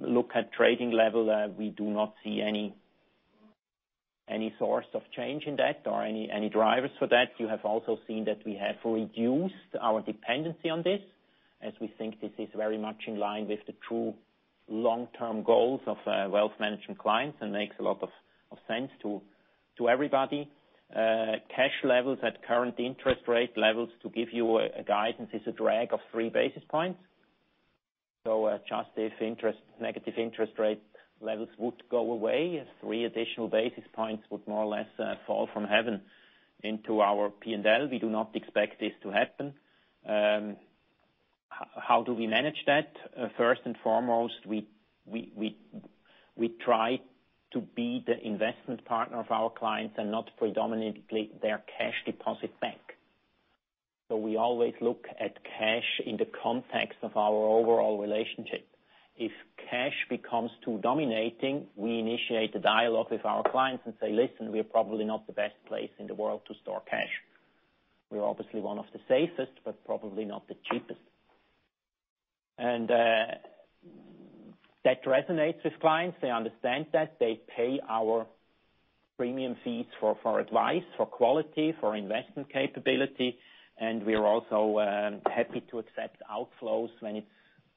look at trading level, we do not see any source of change in that or any drivers for that. You have also seen that we have reduced our dependency on this, as we think this is very much in line with the true long-term goals of wealth management clients and makes a lot of sense to everybody. Cash levels at current interest rate levels to give you a guidance is a drag of three basis points. Just if negative interest rate levels would go away, three additional basis points would more or less fall from heaven into our P&L. We do not expect this to happen. How do we manage that? First and foremost, we try to be the investment partner of our clients and not predominantly their cash deposit bank. We always look at cash in the context of our overall relationship. If cash becomes too dominating, we initiate a dialogue with our clients and say, "Listen, we're probably not the best place in the world to store cash." We're obviously one of the safest, but probably not the cheapest. That resonates with clients. They understand that they pay our premium fees for advice, for quality, for investment capability, and we are also happy to accept outflows when it's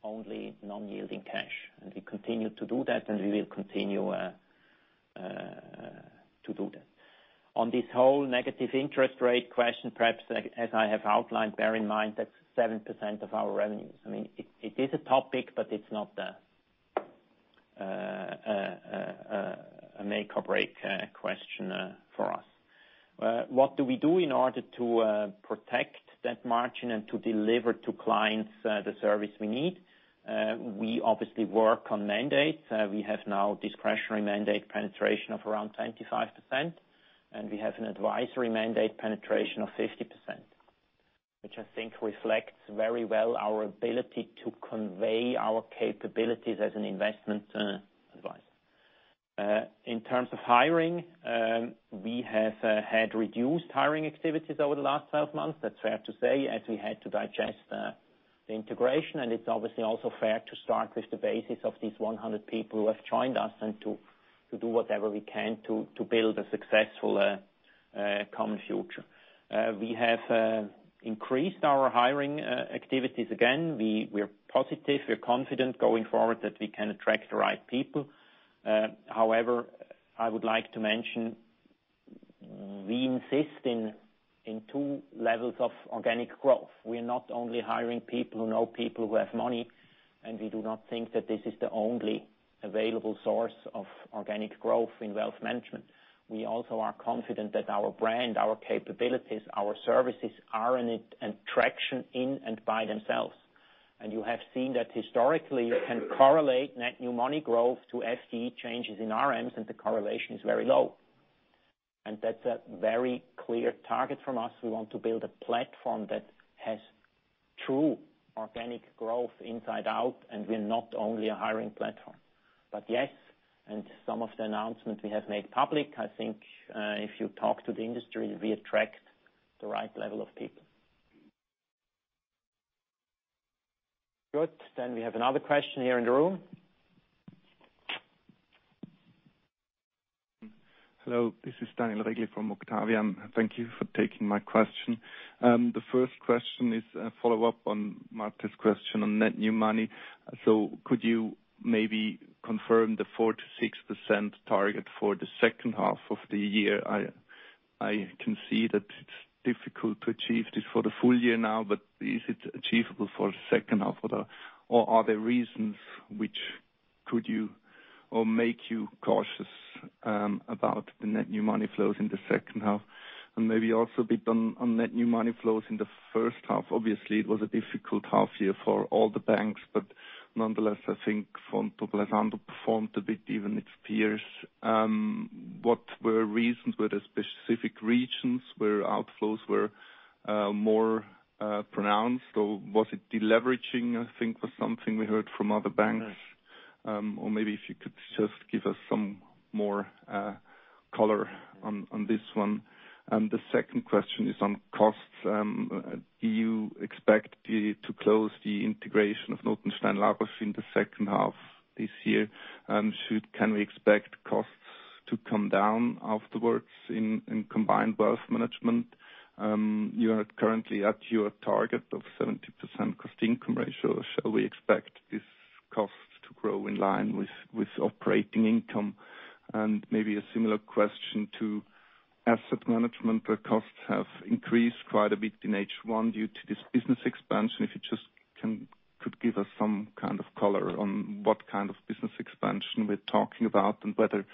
only non-yielding cash. We continue to do that, and we will continue to do that. On this whole negative interest rate question, perhaps as I have outlined, bear in mind that's 7% of our revenues. It is a topic, but it's not a make or break question for us. What do we do in order to protect that margin and to deliver to clients the service we need? We obviously work on mandates. We have now discretionary mandate penetration of around 25%, and we have an advisory mandate penetration of 50%, which I think reflects very well our ability to convey our capabilities as an investment advice. In terms of hiring, we have had reduced hiring activities over the last 12 months, that's fair to say, as we had to digest the integration, and it's obviously also fair to start with the basis of these 100 people who have joined us and to do whatever we can to build a successful common future. We have increased our hiring activities again. We're positive, we're confident going forward that we can attract the right people. However, I would like to mention we insist in two levels of organic growth. We are not only hiring people who know people who have money, and we do not think that this is the only available source of organic growth in wealth management. We also are confident that our brand, our capabilities, our services are an attraction in and by themselves. You have seen that historically you can correlate net new money growth to FTE changes in RMs, and the correlation is very low. That's a very clear target from us. We want to build a platform that has true organic growth inside out, and we're not only a hiring platform. Yes, and some of the announcements we have made public, I think if you talk to the industry, we attract the right level of people. Good. We have another question here in the room. Hello, this is Daniel Rigley from Octavian. Thank you for taking my question. The first question is a follow-up on Martin's question on net new money. Could you maybe confirm the 4%-6% target for the second half of the year? I can see that it's difficult to achieve this for the full year now, but is it achievable for the second half? Are there reasons which could or make you cautious about the net new money flows in the second half? Maybe also a bit on net new money flows in the first half. Obviously, it was a difficult half year for all the banks, but nonetheless, I think Vontobel underperformed a bit even its peers. What were reasons? Were there specific regions where outflows were more pronounced, or was it deleveraging, I think was something we heard from other banks? Or maybe if you could just give us some more color on this one. The second question is on costs. Do you expect to close the integration of Notenstein La Roche in the second half this year? Can we expect costs to come down afterwards in combined wealth management? You are currently at your target of 70% cost income ratio. Shall we expect this cost to grow in line with operating income? Maybe a similar question to asset management, where costs have increased quite a bit in H1 due to this business expansion. If you just could give us some kind of color on what kind of business expansion we're talking about and whether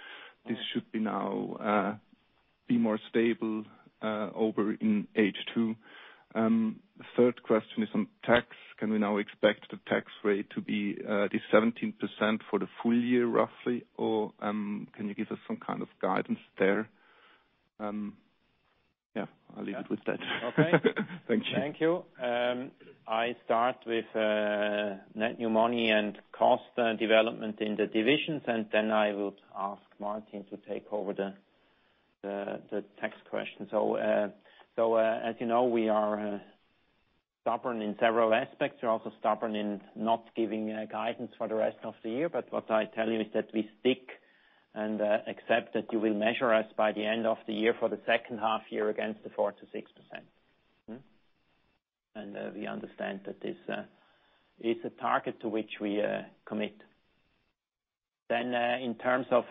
this should be now be more stable over in H2. Third question is on tax. Can we now expect the tax rate to be the 17% for the full year, roughly? Can you give us some kind of guidance there? Yeah, I'll leave it with that. Okay. Thank you. Thank you. I start with net new money and cost development in the divisions. Then I will ask Martin to take over the tax question. As you know, we are stubborn in several aspects. We're also stubborn in not giving guidance for the rest of the year. What I tell you is that we stick and accept that you will measure us by the end of the year for the second half year against the 4%-6%. We understand that this is a target to which we commit. In terms of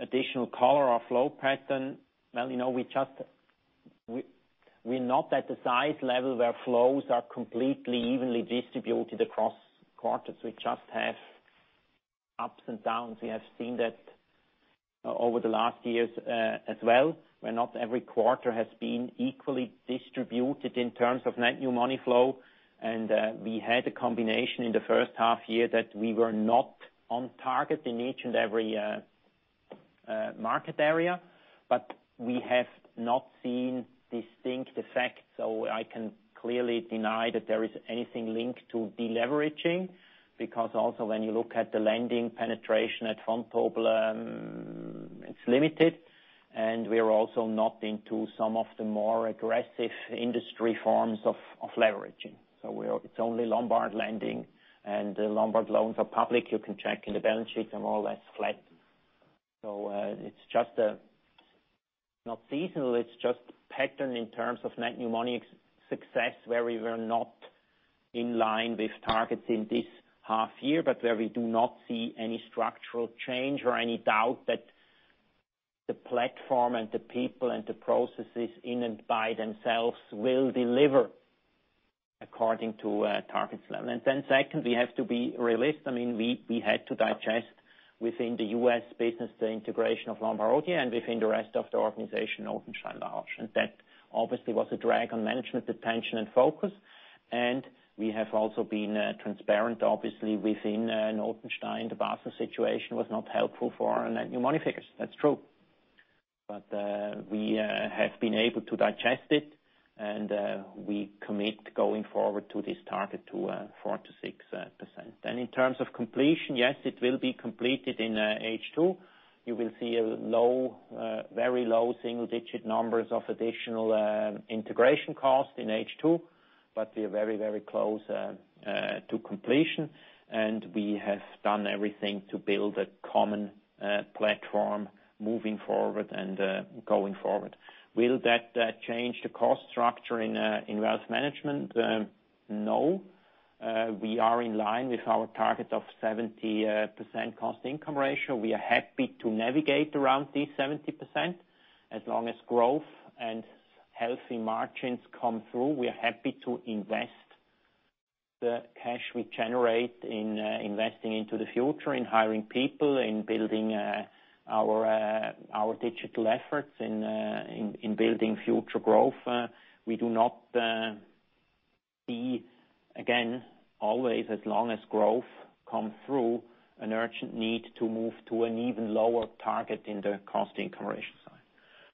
additional color or flow pattern, we're not at the size level where flows are completely evenly distributed across quarters. We just have ups and downs. We have seen that over the last years as well, where not every quarter has been equally distributed in terms of net new money flow. We had a combination in the first half year that we were not on target in each and every market area, but we have not seen distinct effects. I can clearly deny that there is anything linked to deleveraging, because also when you look at the lending penetration at Vontobel, it's limited, and we're also not into some of the more aggressive industry forms of leveraging. It's only Lombard lending, and the Lombard loans are public. You can check in the balance sheet, they're more or less flat. It's just a, not seasonal, it's just pattern in terms of net new money success where we were not in line with targets in this half year, but where we do not see any structural change or any doubt that the platform and the people and the processes in and by themselves will deliver according to targets level. Second, we have to be realistic. We had to digest within the U.S. business the integration of Lombard Odier, and within the rest of the organization, Notenstein La Roche. That obviously was a drag on management attention and focus, we have also been transparent obviously within Notenstein. The Basel situation was not helpful for our net new money figures. That's true. We have been able to digest it, we commit going forward to this target to 4%-6%. In terms of completion, yes, it will be completed in H2. You will see very low single-digit numbers of additional integration costs in H2, we are very close to completion, we have done everything to build a common platform moving forward and going forward. Will that change the cost structure in wealth management? No. We are in line with our target of 70% cost income ratio. We are happy to navigate around this 70%, as long as growth and healthy margins come through. We are happy to invest the cash we generate in investing into the future, in hiring people, in building our digital efforts, in building future growth. We do not see, again, always as long as growth come through, an urgent need to move to an even lower target in the cost income ratio side.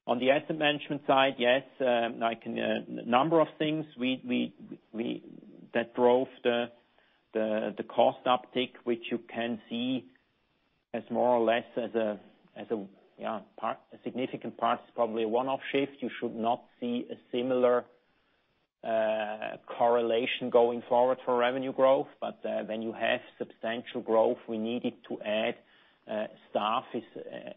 On the asset management side, yes, a number of things that drove the cost uptick, which you can see as more or less as a significant part, is probably a one-off shift. You should not see a similar correlation going forward for revenue growth. When you have substantial growth, we needed to add staff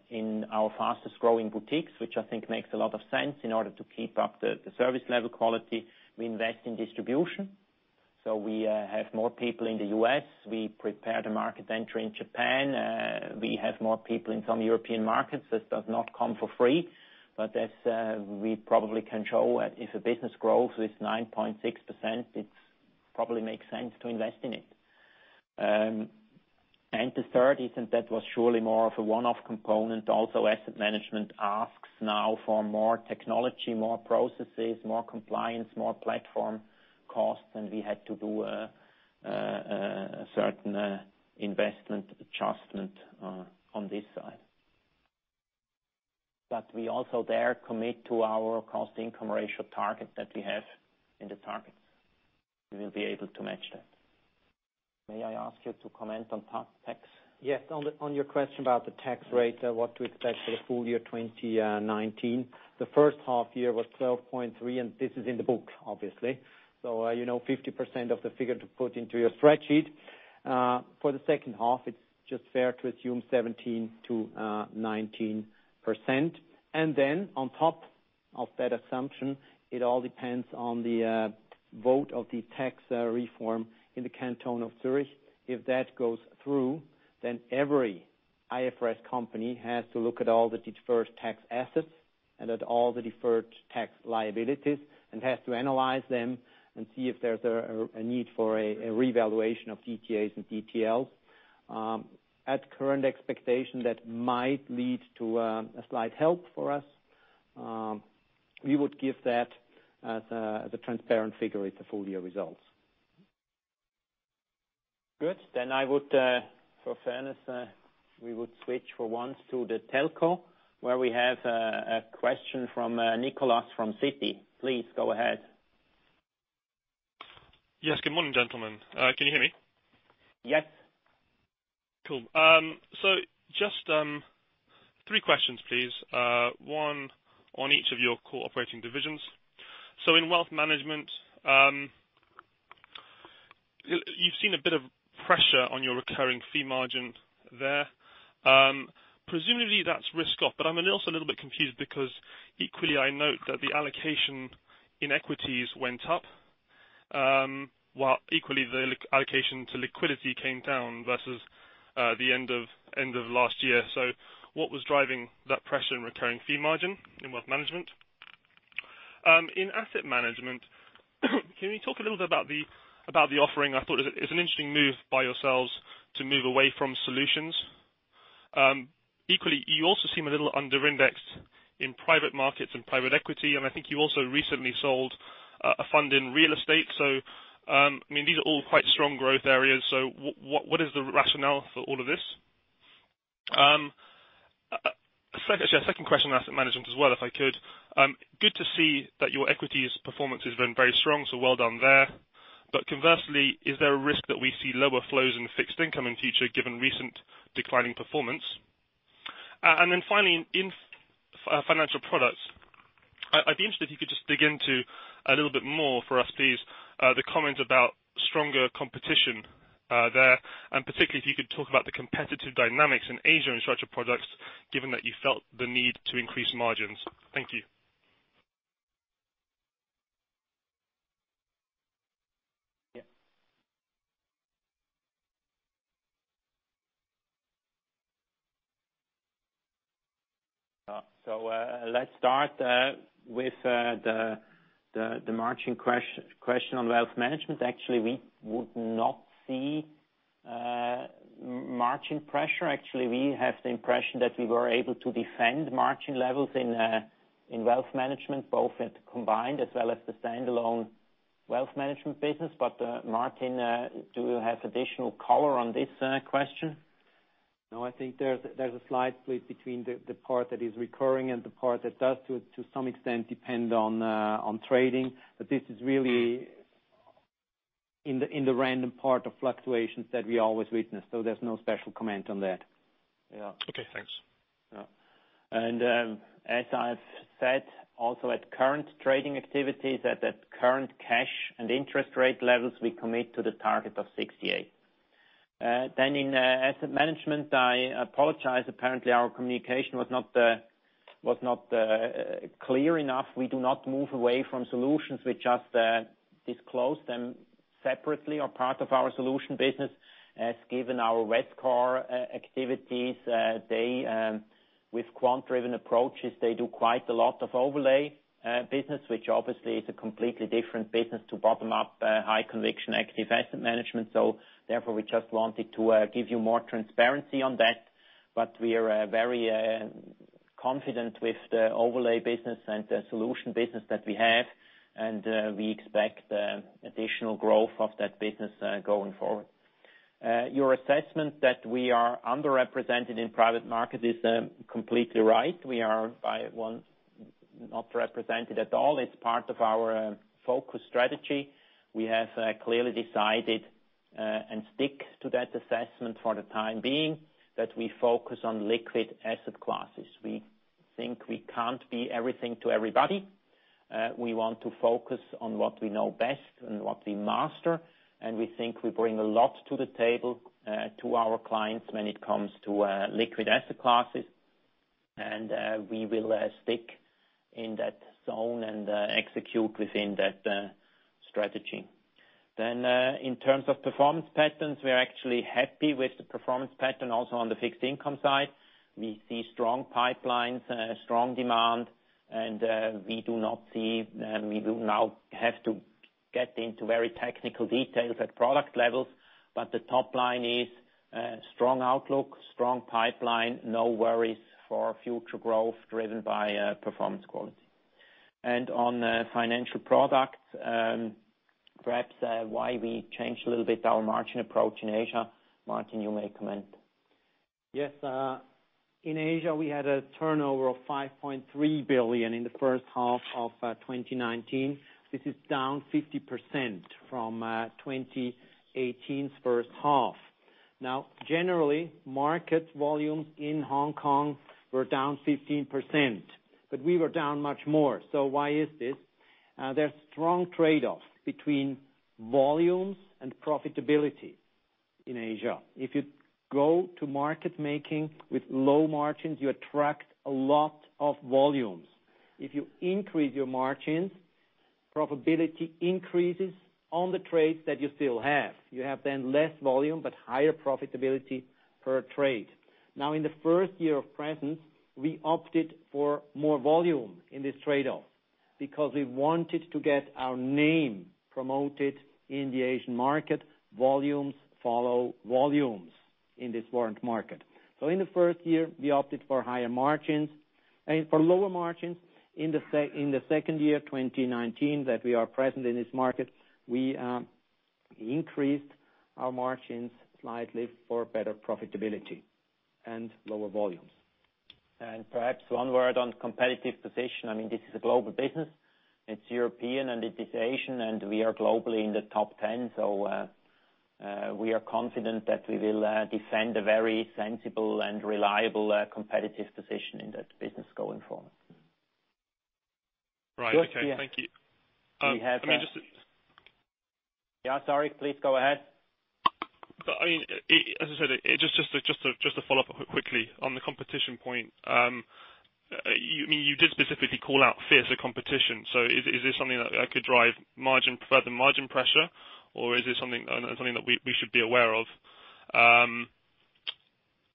in our fastest growing boutiques, which I think makes a lot of sense in order to keep up the service level quality. We invest in distribution. We have more people in the U.S. We prepare the market entry in Japan. We have more people in some European markets. This does not come for free, but as we probably can show, if a business grows with 9.6%, it probably makes sense to invest in it. The third is, and that was surely more of a one-off component also, asset management asks now for more technology, more processes, more compliance, more platform costs, and we had to do a certain investment adjustment on this side. We also there commit to our cost income ratio target that we have in the targets. We will be able to match that. May I ask you to comment on tax? Yes. On your question about the tax rate, what to expect for the full year 2019. The first half year was 12.3%, this is in the book, obviously. 50% of the figure to put into your spreadsheet. For the second half, it's just fair to assume 17%-19%. On top of that assumption, it all depends on the vote of the Tax Reform in the Canton of Zurich. If that goes through, every IFRS company has to look at all the deferred tax assets and at all the deferred tax liabilities, and has to analyze them and see if there's a need for a revaluation of DTAs and DTLs. At current expectation, that might lead to a slight help for us. We would give that as a transparent figure with the full-year results. Good. For fairness, we would switch for once to the telco, where we have a question from Nicholas from Citi. Please go ahead. Yes, good morning, gentlemen. Can you hear me? Yes. Cool. Just three questions, please. One on each of your core operating divisions. In wealth management, you've seen a bit of pressure on your recurring fee margin there. Presumably, that's risk off, but I'm also a little bit confused because equally, I note that the allocation in equities went up, while equally the allocation to liquidity came down versus the end of last year. What was driving that pressure in recurring fee margin in wealth management? In asset management, can you talk a little bit about the offering? I thought it was an interesting move by yourselves to move away from solutions. Equally, you also seem a little under-indexed in private markets and private equity, and I think you also recently sold a fund in real estate. These are all quite strong growth areas. What is the rationale for all of this? A second question on asset management as well, if I could. Good to see that your equities performance has been very strong, well done there. Conversely, is there a risk that we see lower flows in fixed income in future, given recent declining performance? Finally, in financial products, I'd be interested if you could just dig into a little bit more for us, please, the comment about stronger competition there, and particularly if you could talk about the competitive dynamics in Asia in structured products, given that you felt the need to increase margins. Thank you. Let's start with the margin question on wealth management. Actually, we would not see margin pressure. Actually, we have the impression that we were able to defend margin levels in wealth management, both at combined as well as the standalone wealth management business. Martin, do you have additional color on this question? No, I think there's a slight split between the part that is recurring and the part that does to some extent depend on trading, but this is really in the random part of fluctuations that we always witness. There's no special comment on that. Okay, thanks. Yeah. As I've said also at current trading activities, at the current cash and interest rate levels, we commit to the target of 68. In asset management, I apologize, apparently our communication was not clear enough. We do not move away from solutions. We just disclose them separately or part of our solution business. Given our Vescore activities, with quant-driven approaches, they do quite a lot of overlay business, which obviously is a completely different business to bottom-up high conviction active asset management. Therefore, we just wanted to give you more transparency on that, but we are very confident with the overlay business and the solution business that we have. We expect additional growth of that business going forward. Your assessment that we are underrepresented in private market is completely right. We are by one not represented at all. It's part of our focus strategy. We have clearly decided, and stick to that assessment for the time being, that we focus on liquid asset classes. We think we can't be everything to everybody. We want to focus on what we know best and what we master, and we think we bring a lot to the table to our clients when it comes to liquid asset classes. We will stick in that zone and execute within that strategy. In terms of performance patterns, we are actually happy with the performance pattern also on the fixed income side. We see strong pipelines, strong demand, and we do not have to get into very technical details at product levels, but the top line is strong outlook, strong pipeline, no worries for future growth driven by performance quality. On financial products, perhaps why we changed a little bit our margin approach in Asia. Martin, you may comment. Yes. In Asia, we had a turnover of $5.3 billion in the first half of 2019. This is down 50% from 2018's first half. Generally, market volumes in Hong Kong were down 15%, we were down much more. Why is this? There's strong trade-off between volumes and profitability in Asia. If you go to market making with low margins, you attract a lot of volumes. If you increase your margins, profitability increases on the trades that you still have. You have then less volume, higher profitability per trade. In the first year of presence, we opted for more volume in this trade-off because we wanted to get our name promoted in the Asian market. Volumes follow volumes in this warrant market. In the first year, we opted for higher margins For lower margins in the second year, 2019, that we are present in this market, we increased our margins slightly for better profitability and lower volumes. Perhaps one word on competitive position. This is a global business. It's European, and it is Asian, and we are globally in the top 10. We are confident that we will defend a very sensible and reliable competitive position in that business going forward. Right. Okay. Thank you. We have a- I mean, just- Yeah, sorry. Please go ahead. As I said, just to follow up quickly on the competition point. You did specifically call out fiercer competition. Is this something that could drive further margin pressure, or is this something that we should be aware of?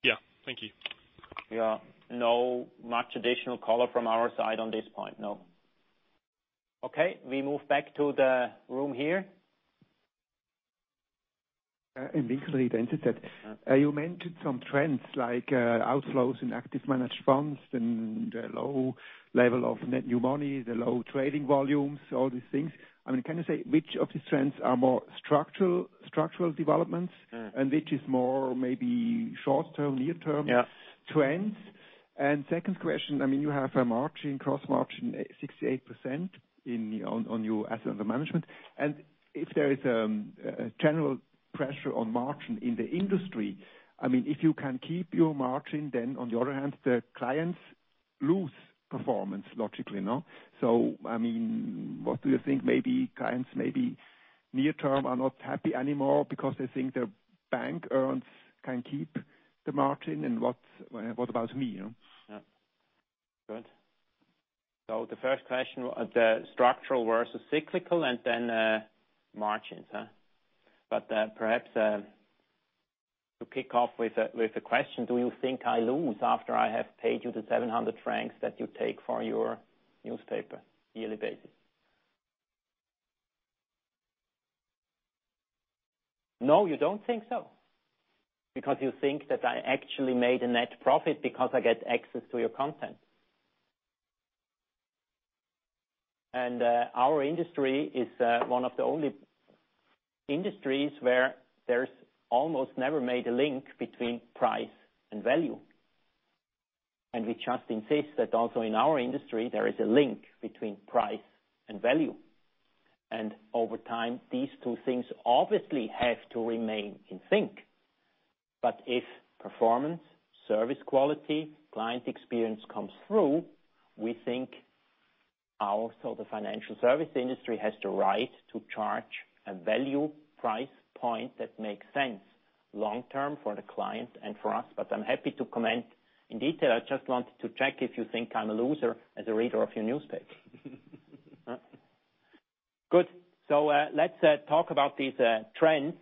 Yeah. Thank you. Yeah. No much additional color from our side on this point, no. Okay, we move back to the room here. Literally the answer that you mentioned some trends like outflows in active managed funds and low level of net new money, the low trading volumes, all these things. Can you say which of these trends are more structural developments and which is more maybe short term, near term trends? Second question, you have a margin cost margin 68% on your assets under management. If there is general pressure on margin in the industry, if you can keep your margin, then on the other hand, the clients lose performance logically, no? What do you think maybe clients maybe near term are not happy anymore because they think their bank earns can keep the margin? What about me? Yeah. Good. The first question, the structural versus cyclical and then margins, huh? Perhaps, to kick off with a question, do you think I lose after I have paid you the 700 francs that you take for your newspaper yearly basis? No, you don't think so. You think that I actually made a net profit because I get access to your content. Our industry is one of the only industries where there's almost never made a link between price and value. We just insist that also in our industry, there is a link between price and value. Over time, these two things obviously have to remain in sync. If performance, service quality, client experience comes through, we think also the financial service industry has the right to charge a value price point that makes sense long term for the client and for us. I'm happy to comment in detail. I just wanted to check if you think I'm a loser as a reader of your newspaper. Good. Let's talk about these trends,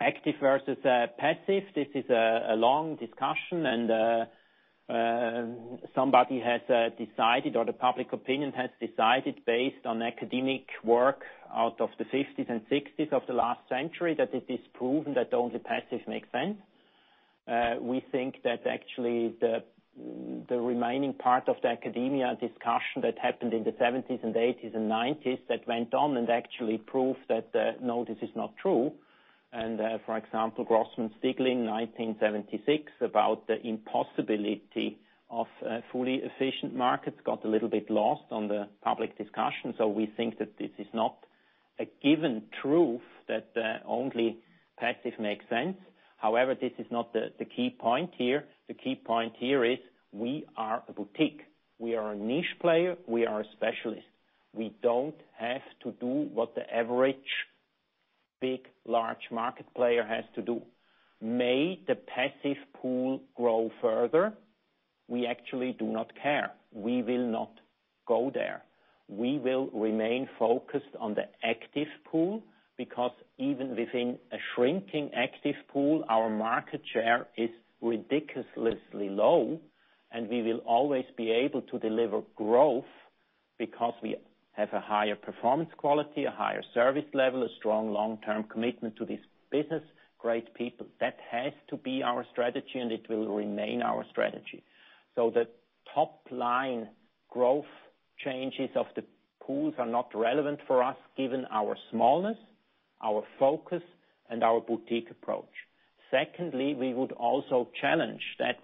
active versus passive. This is a long discussion and somebody has decided, or the public opinion has decided based on academic work out of the '50s and '60s of the last century, that it is proven that only passive makes sense. We think that actually the remaining part of the academia discussion that happened in the 1970s and 1980s and 1990s that went on and actually proved that, no, this is not true. For example, Grossman Stiglitz, 1976, about the impossibility of fully efficient markets got a little bit lost on the public discussion. We think that this is not a given truth that only passive makes sense. However, this is not the key point here. The key point here is we are a boutique. We are a niche player. We are a specialist. We don't have to do what the average big, large market player has to do. May the passive pool grow further, we actually do not care. We will not go there. We will remain focused on the active pool because even within a shrinking active pool, our market share is ridiculously low, and we will always be able to deliver growth because we have a higher performance quality, a higher service level, a strong long-term commitment to this business, great people. That has to be our strategy, and it will remain our strategy. The top line growth changes of the pools are not relevant for us given our smallness, our focus, and our boutique approach. We would also challenge that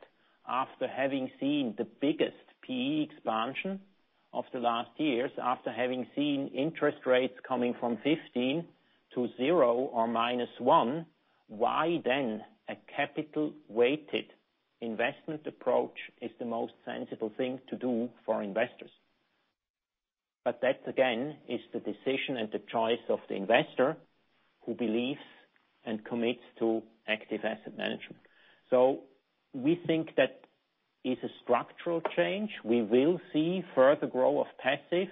after having seen the biggest PE expansion of the last years, after having seen interest rates coming from 15 to zero or minus one, why then a capital weighted investment approach is the most sensible thing to do for investors? That, again, is the decision and the choice of the investor who believes and commits to active asset management. We think that it's a structural change. We will see further growth of passive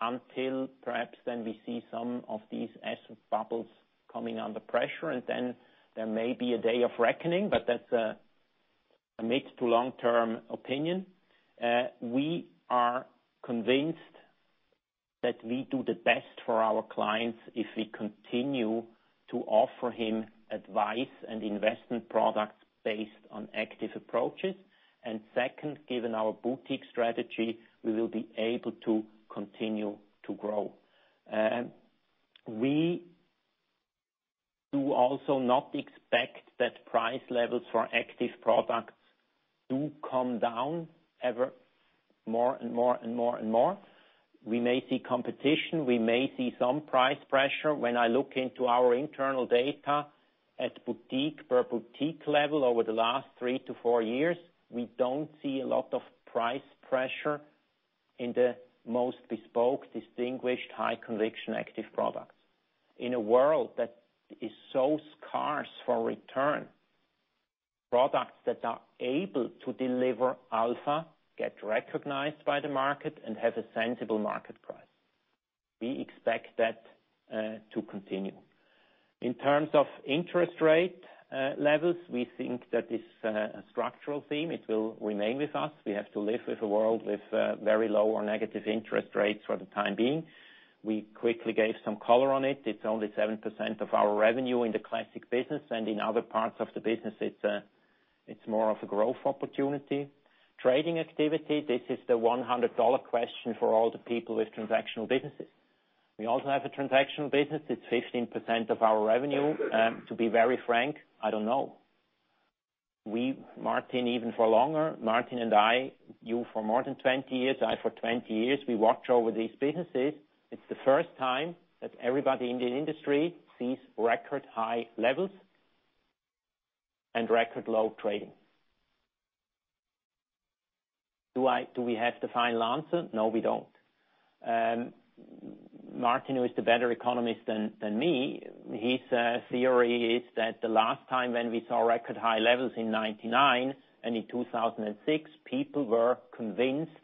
until perhaps then we see some of these asset bubbles coming under pressure, and then there may be a day of reckoning, but that's a mid-to-long-term opinion. We are convinced that we do the best for our clients if we continue to offer him advice and investment products based on active approaches. Second, given our boutique strategy, we will be able to continue to grow. We do also not expect that price levels for active products do come down ever more and more and more and more. We may see competition, we may see some price pressure. When I look into our internal data at boutique, per boutique level over the last three to four years, we don't see a lot of price pressure in the most bespoke, distinguished, high conviction active products. In a world that is so scarce for return, products that are able to deliver alpha, get recognized by the market, and have a sensible market price. We expect that to continue. In terms of interest rate levels, we think that is a structural theme. It will remain with us. We have to live with a world with very low or negative interest rates for the time being. We quickly gave some color on it. It's only 7% of our revenue in the classic business, and in other parts of the business, it's more of a growth opportunity. Trading activity, this is the $100 question for all the people with transactional businesses. We also have a transactional business. It's 15% of our revenue. To be very frank, I don't know. Martin, even for longer, Martin and I, you for more than 20 years, I for 20 years, we watch over these businesses. It's the first time that everybody in the industry sees record high levels and record low trading. Do we have the final answer? No, we don't. Martin, who is the better economist than me, his theory is that the last time when we saw record high levels in 1999 and in 2006, people were convinced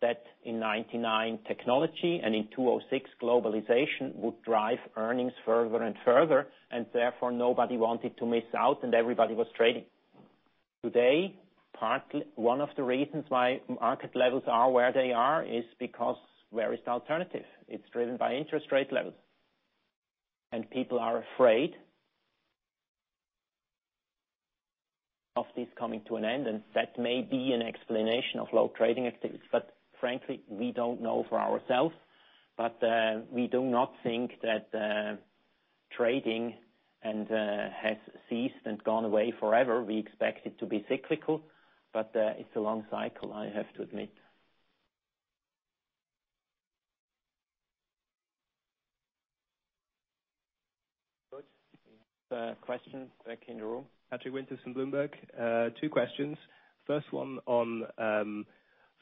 that in 1999, technology, and in 2006, globalization would drive earnings further and further, and therefore nobody wanted to miss out, and everybody was trading. Today, partly one of the reasons why market levels are where they are is because where is the alternative? It's driven by interest rate levels. People are afraid of this coming to an end, and that may be an explanation of low trading activity. Frankly, we don't know for ourselves. We do not think that trading has ceased and gone away forever. We expect it to be cyclical, but it's a long cycle, I have to admit. Good. Questions back in the room. Patrick Winters from Bloomberg. Two questions. First one on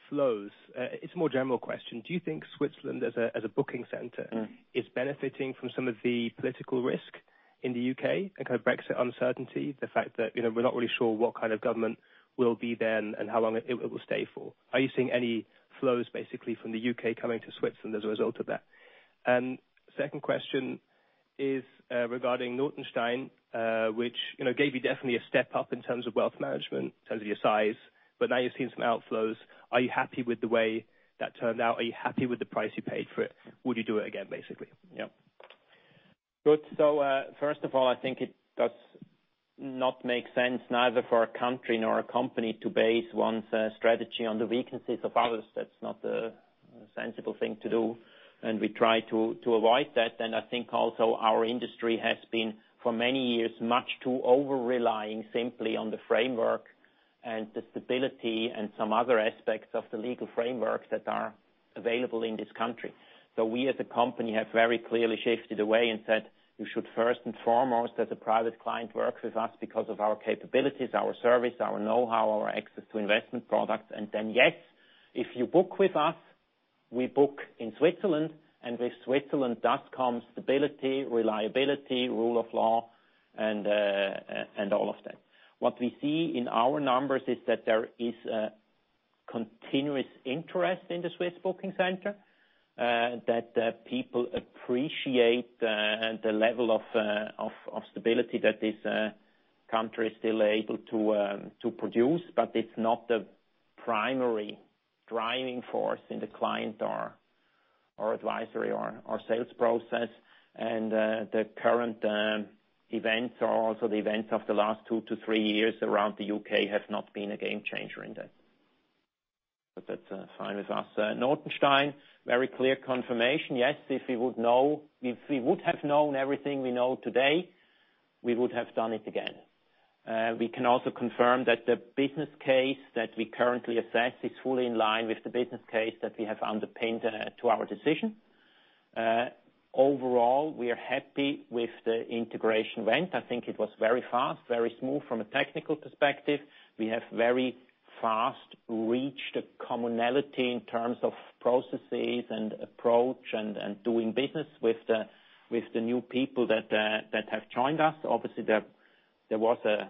flows. It's a more general question. Do you think Switzerland as a booking center is benefiting from some of the political risk in the U.K. and kind of Brexit uncertainty? The fact that we're not really sure what kind of government will be then and how long it will stay for. Are you seeing any flows basically from the U.K. coming to Switzerland as a result of that? Second question is regarding Notenstein, which gave you definitely a step up in terms of wealth management, in terms of your size, but now you're seeing some outflows. Are you happy with the way that turned out? Are you happy with the price you paid for it? Would you do it again, basically? Yep. Good. First of all, I think it does not make sense neither for a country nor a company to base one's strategy on the weaknesses of others. That's not a sensible thing to do, and we try to avoid that. I think also our industry has been, for many years, much too over-relying simply on the framework and the stability and some other aspects of the legal frameworks that are available in this country. We as a company have very clearly shifted away and said, "You should first and foremost, as a private client, work with us because of our capabilities, our service, our know-how, our access to investment products." Then, yes, if you book with us, we book in Switzerland, and with Switzerland does come stability, reliability, rule of law, and all of that. What we see in our numbers is that there is a continuous interest in the Swiss booking center, that people appreciate the level of stability that this country is still able to produce, but it's not the primary driving force in the client or advisory or sales process. The current events or also the events of the last two to three years around the U.K. have not been a game changer in that. That's fine with us. Notenstein, very clear confirmation, yes, if we would have known everything we know today, we would have done it again. We can also confirm that the business case that we currently assess is fully in line with the business case that we have underpinned to our decision. Overall, we are happy with the integration event. I think it was very fast, very smooth from a technical perspective. We have very fast reached a commonality in terms of processes and approach and doing business with the new people that have joined us. Obviously, there was a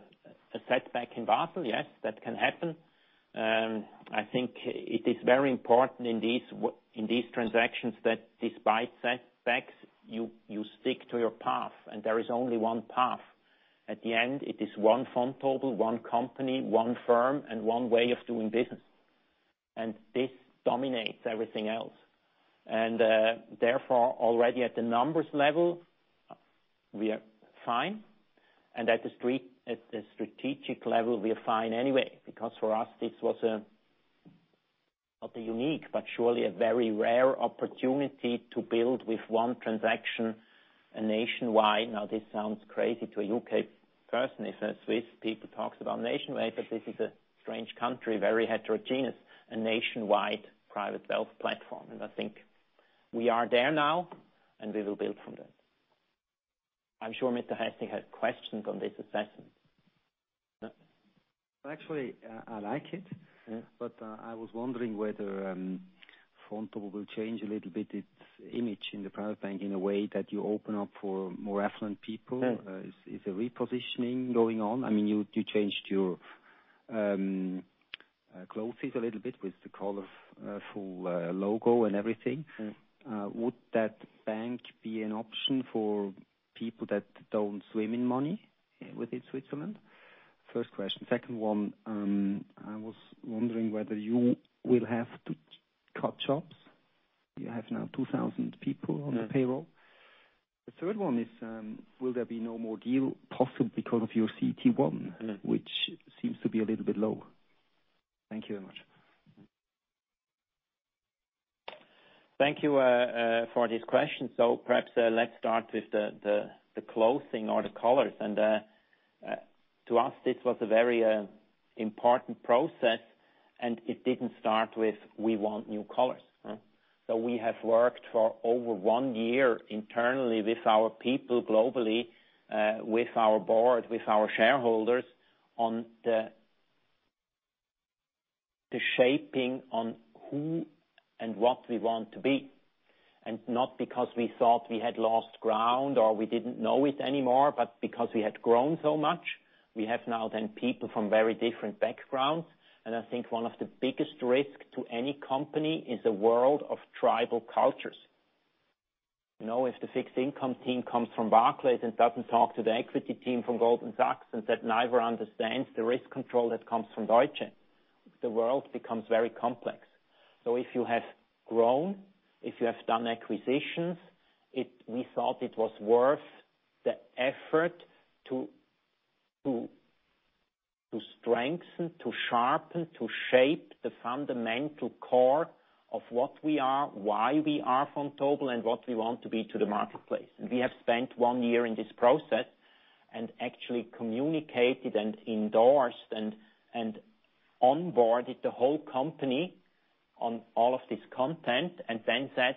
setback in Basel. Yes, that can happen. I think it is very important in these transactions that despite setbacks, you stick to your path, and there is only one path. At the end, it is one Vontobel, one company, one firm, and one way of doing business. This dominates everything else. Therefore, already at the numbers level, we are fine. At the strategic level, we are fine anyway, because for us, this was not a unique, but surely a very rare opportunity to build with one transaction a nationwide. Now, this sounds crazy to a U.K. person if a Swiss people talks about nationwide, but this is a strange country, very heterogeneous, a nationwide private wealth platform. I think we are there now, and we will build from that. I am sure Mr. Hasting had questions on this assessment. Actually, I like it. Yeah. I was wondering whether Vontobel will change a little bit its image in the private bank in a way that you open up for more affluent people? Yeah. Is a repositioning going on? You changed your clothing a little bit with the colorful logo and everything. Yeah. Would that bank be an option for people that don't swim in money within Switzerland? First question. Second one, I was wondering whether you will have to cut jobs. You have now 2,000 people on the payroll. The third one is, will there be no more deal possible because of your CET1 which seems to be a little bit low. Thank you very much. Thank you for this question. Perhaps let's start with the clothing or the colors. To us, this was a very important process, and it didn't start with we want new colors. We have worked for over one year internally with our people globally, with our board, with our shareholders on the shaping on who and what we want to be. Not because we thought we had lost ground or we didn't know it anymore, but because we had grown so much. We have now then people from very different backgrounds. I think one of the biggest risk to any company is a world of tribal cultures. If the fixed income team comes from Barclays and doesn't talk to the equity team from Goldman Sachs and that neither understands the risk control that comes from Deutsche, the world becomes very complex. If you have grown, if you have done acquisitions, we thought it was worth the effort to strengthen, to sharpen, to shape the fundamental core of what we are, why we are Vontobel, and what we want to be to the marketplace. We have spent one year in this process and actually communicated and endorsed and onboarded the whole company on all of this content and then said,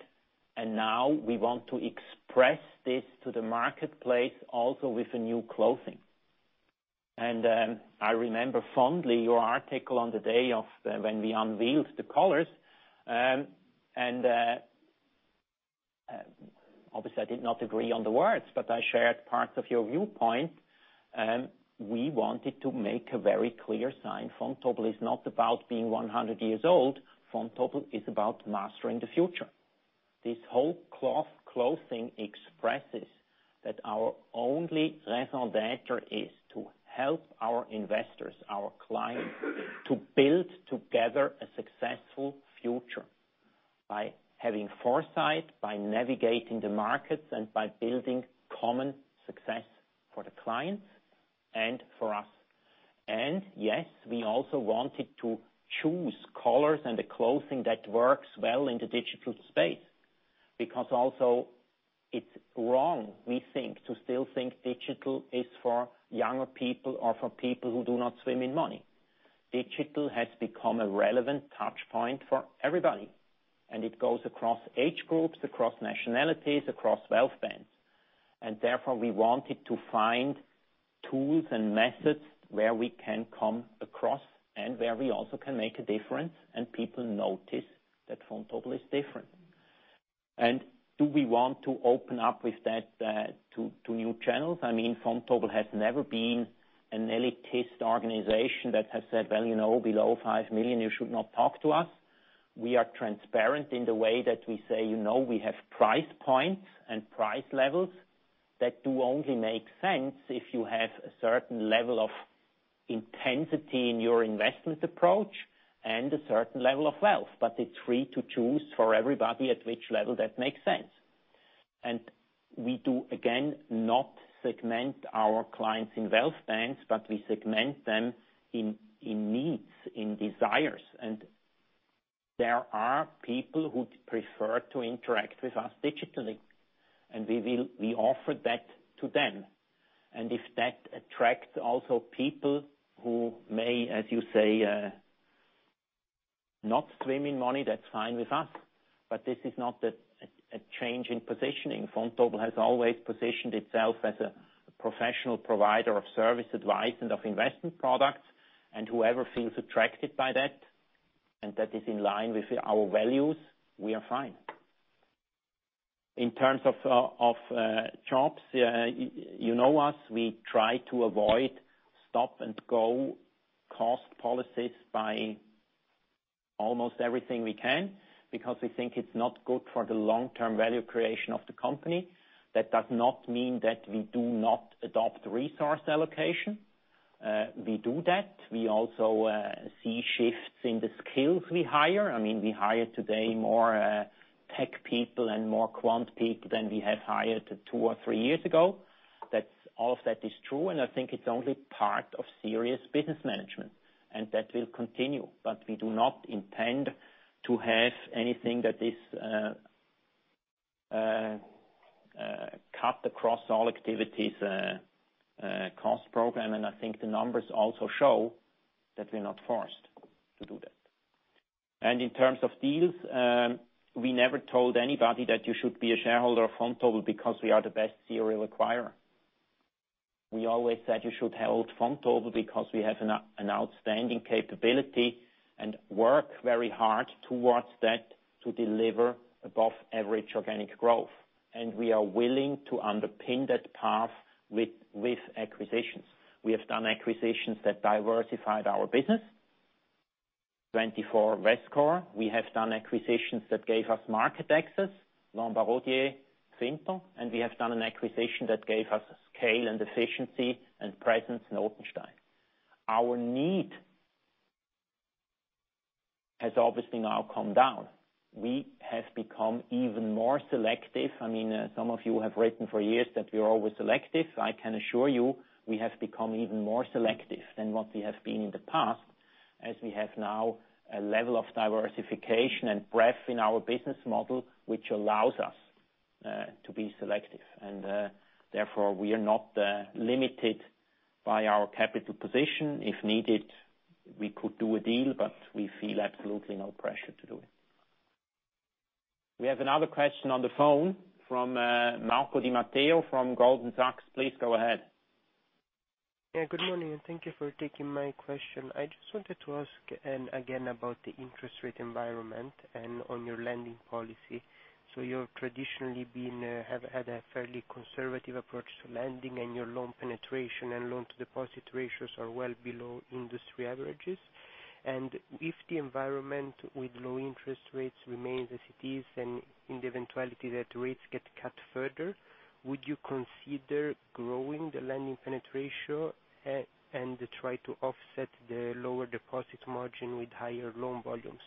"Now we want to express this to the marketplace also with a new clothing." I remember fondly your article on the day of when we unveiled the colors. Obviously I did not agree on the words, but I shared parts of your viewpoint. We wanted to make a very clear sign. Vontobel is not about being 100 years old. Vontobel is about mastering the future. This whole clothing expresses that our only raison d'être is to help our investors, our clients, to build together a successful future by having foresight, by navigating the markets, by building common success for the clients and for us. Yes, we also wanted to choose colors and the clothing that works well in the digital space. Also, it's wrong, we think, to still think digital is for younger people or for people who do not swim in money. Digital has become a relevant touch point for everybody. It goes across age groups, across nationalities, across wealth banks. Therefore, we wanted to find tools and methods where we can come across and where we also can make a difference, and people notice that Vontobel is different. Do we want to open up with that to new channels? Vontobel has never been an elitist organization that has said, "Well, below 5 million, you should not talk to us." We are transparent in the way that we say, we have price points and price levels that do only make sense if you have a certain level of intensity in your investment approach and a certain level of wealth. It's free to choose for everybody at which level that makes sense. We do, again, not segment our clients in wealth banks, but we segment them in needs, in desires. There are people who prefer to interact with us digitally, and we offer that to them. If that attracts also people who may, as you say, not swim in money, that's fine with us. This is not a change in positioning. Vontobel has always positioned itself as a professional provider of service, advice, and of investment products. Whoever feels attracted by that, and that is in line with our values, we are fine. In terms of chops, you know us, we try to avoid stop-and-go cost policies by almost everything we can, because we think it's not good for the long-term value creation of the company. That does not mean that we do not adopt resource allocation. We do that. We also see shifts in the skills we hire. We hire today more tech people and more quant people than we have hired two or three years ago. All of that is true, and I think it's only part of serious business management, and that will continue. We do not intend to have anything that is cut across all activities, cost program, and I think the numbers also show that we are not forced to do that. In terms of deals, we never told anybody that you should be a shareholder of Vontobel because we are the best serial acquirer. We always said you should hold Vontobel because we have an outstanding capability and work very hard towards that to deliver above-average organic growth. We are willing to underpin that path with acquisitions. We have done acquisitions that diversified our business. TwentyFour, Vescore. We have done acquisitions that gave us market access, Lombard Odier, Quinto, and we have done an acquisition that gave us scale and efficiency and presence in Notenstein. Our need has obviously now come down. We have become even more selective. Some of you have written for years that we are always selective. I can assure you, we have become even more selective than what we have been in the past, as we have now a level of diversification and breadth in our business model, which allows us to be selective. Therefore, we are not limited by our capital position. If needed, we could do a deal, but we feel absolutely no pressure to do it. We have another question on the phone from Marco di Matteo from Goldman Sachs. Please go ahead. Good morning, and thank you for taking my question. I just wanted to ask again about the interest rate environment and on your lending policy. You've traditionally had a fairly conservative approach to lending, and your loan penetration and loan-to-deposit ratios are well below industry averages. If the environment with low interest rates remains as it is and in the eventuality that rates get cut further, would you consider growing the lending penetration and try to offset the lower deposit margin with higher loan volumes?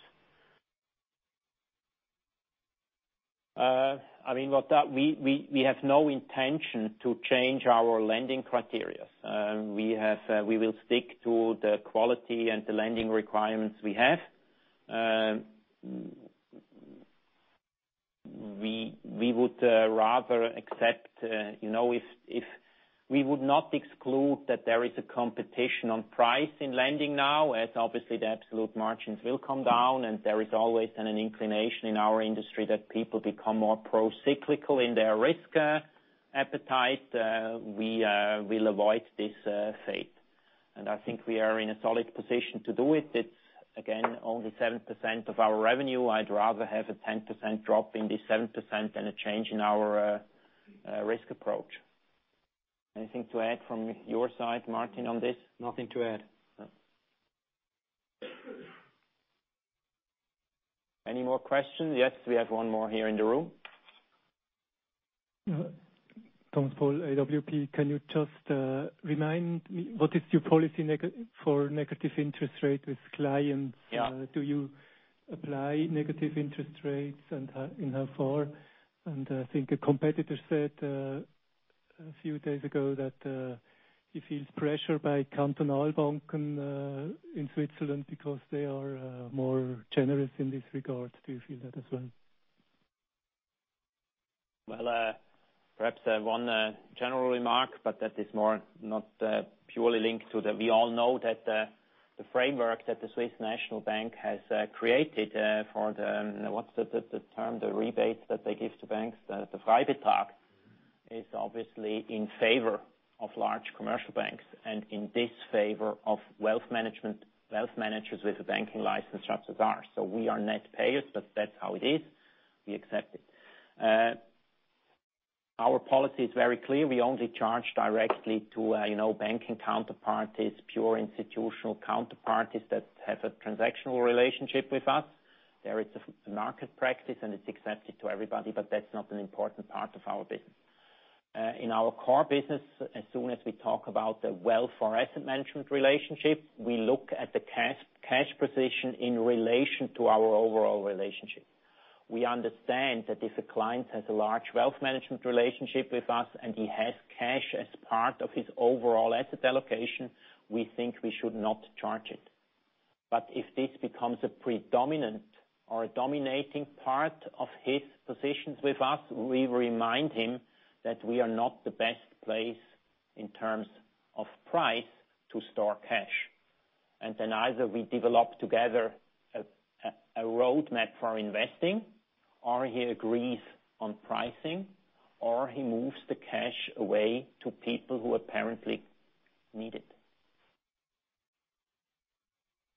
We have no intention to change our lending criteria. We will stick to the quality and the lending requirements we have. We would not exclude that there is a competition on price in lending now, as obviously the absolute margins will come down, and there is always an inclination in our industry that people become more pro-cyclical in their risk appetite. We'll avoid this fate. I think we are in a solid position to do it. It's, again, only 7% of our revenue. I'd rather have a 10% drop in the 7% than a change in our risk approach. Anything to add from your side, Martin, on this? Nothing to add. No. Any more questions? Yes, we have one more here in the room. Thomas Paul, AWP. Can you just remind me, what is your policy for negative interest rate with clients? Yeah. Do you apply negative interest rates, and how far? I think a competitor said a few days ago that he feels pressure by cantonal banks in Switzerland because they are more generous in this regard. Do you feel that as well? Perhaps one general remark, but that is more not purely linked to the-- We all know that the framework that the Swiss National Bank has created for the, what's the term, the rebates that they give to banks, the Freibetrag, is obviously in favor of large commercial banks and in disfavor of wealth managers with a banking license such as ours. We are net payers, but that's how it is. We accept it. Our policy is very clear. We only charge directly to banking counterparties, pure institutional counterparties that have a transactional relationship with us. There is a market practice, and it's accepted to everybody, but that's not an important part of our business. In our core business, as soon as we talk about the wealth or asset management relationship, we look at the cash position in relation to our overall relationship. We understand that if a client has a large wealth management relationship with us and he has cash as part of his overall asset allocation, we think we should not charge it. If this becomes a predominant or a dominating part of his positions with us, we remind him that we are not the best place in terms of price to store cash. Either we develop together a roadmap for investing, or he agrees on pricing, or he moves the cash away to people who apparently need it.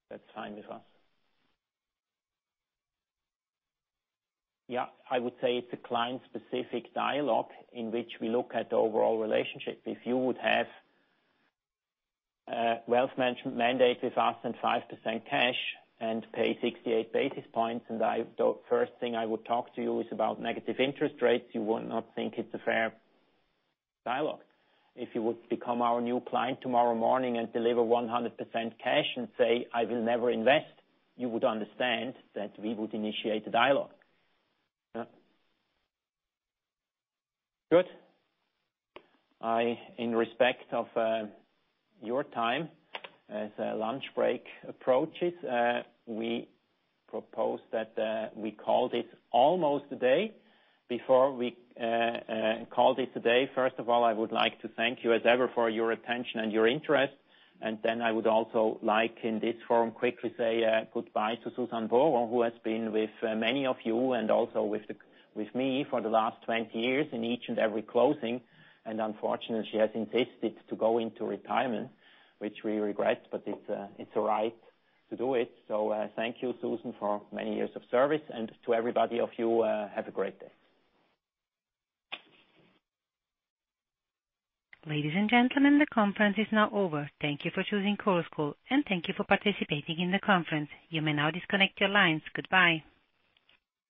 That's fine with us. Yeah, I would say it's a client-specific dialogue in which we look at the overall relationship. If you would have a wealth management mandate with us and 5% cash and pay 68 basis points, the first thing I would talk to you is about negative interest rates, you would not think it's a fair dialogue. If you would become our new client tomorrow morning and deliver 100% cash and say, "I will never invest," you would understand that we would initiate a dialogue. Good. In respect of your time as lunch break approaches, we propose that we call this almost a day. Before we call this a day, first of all, I would like to thank you as ever for your attention and your interest. I would also like in this forum quickly say goodbye to Susanne Borer, who has been with many of you and also with me for the last 20 years in each and every closing. Unfortunately, she has insisted to go into retirement, which we regret, but it's all right to do it. Thank you, Susan, for many years of service, and to everybody of you, have a great day. Ladies and gentlemen, the conference is now over. Thank you for choosing Chorus Call, and thank you for participating in the conference. You may now disconnect your lines. Goodbye.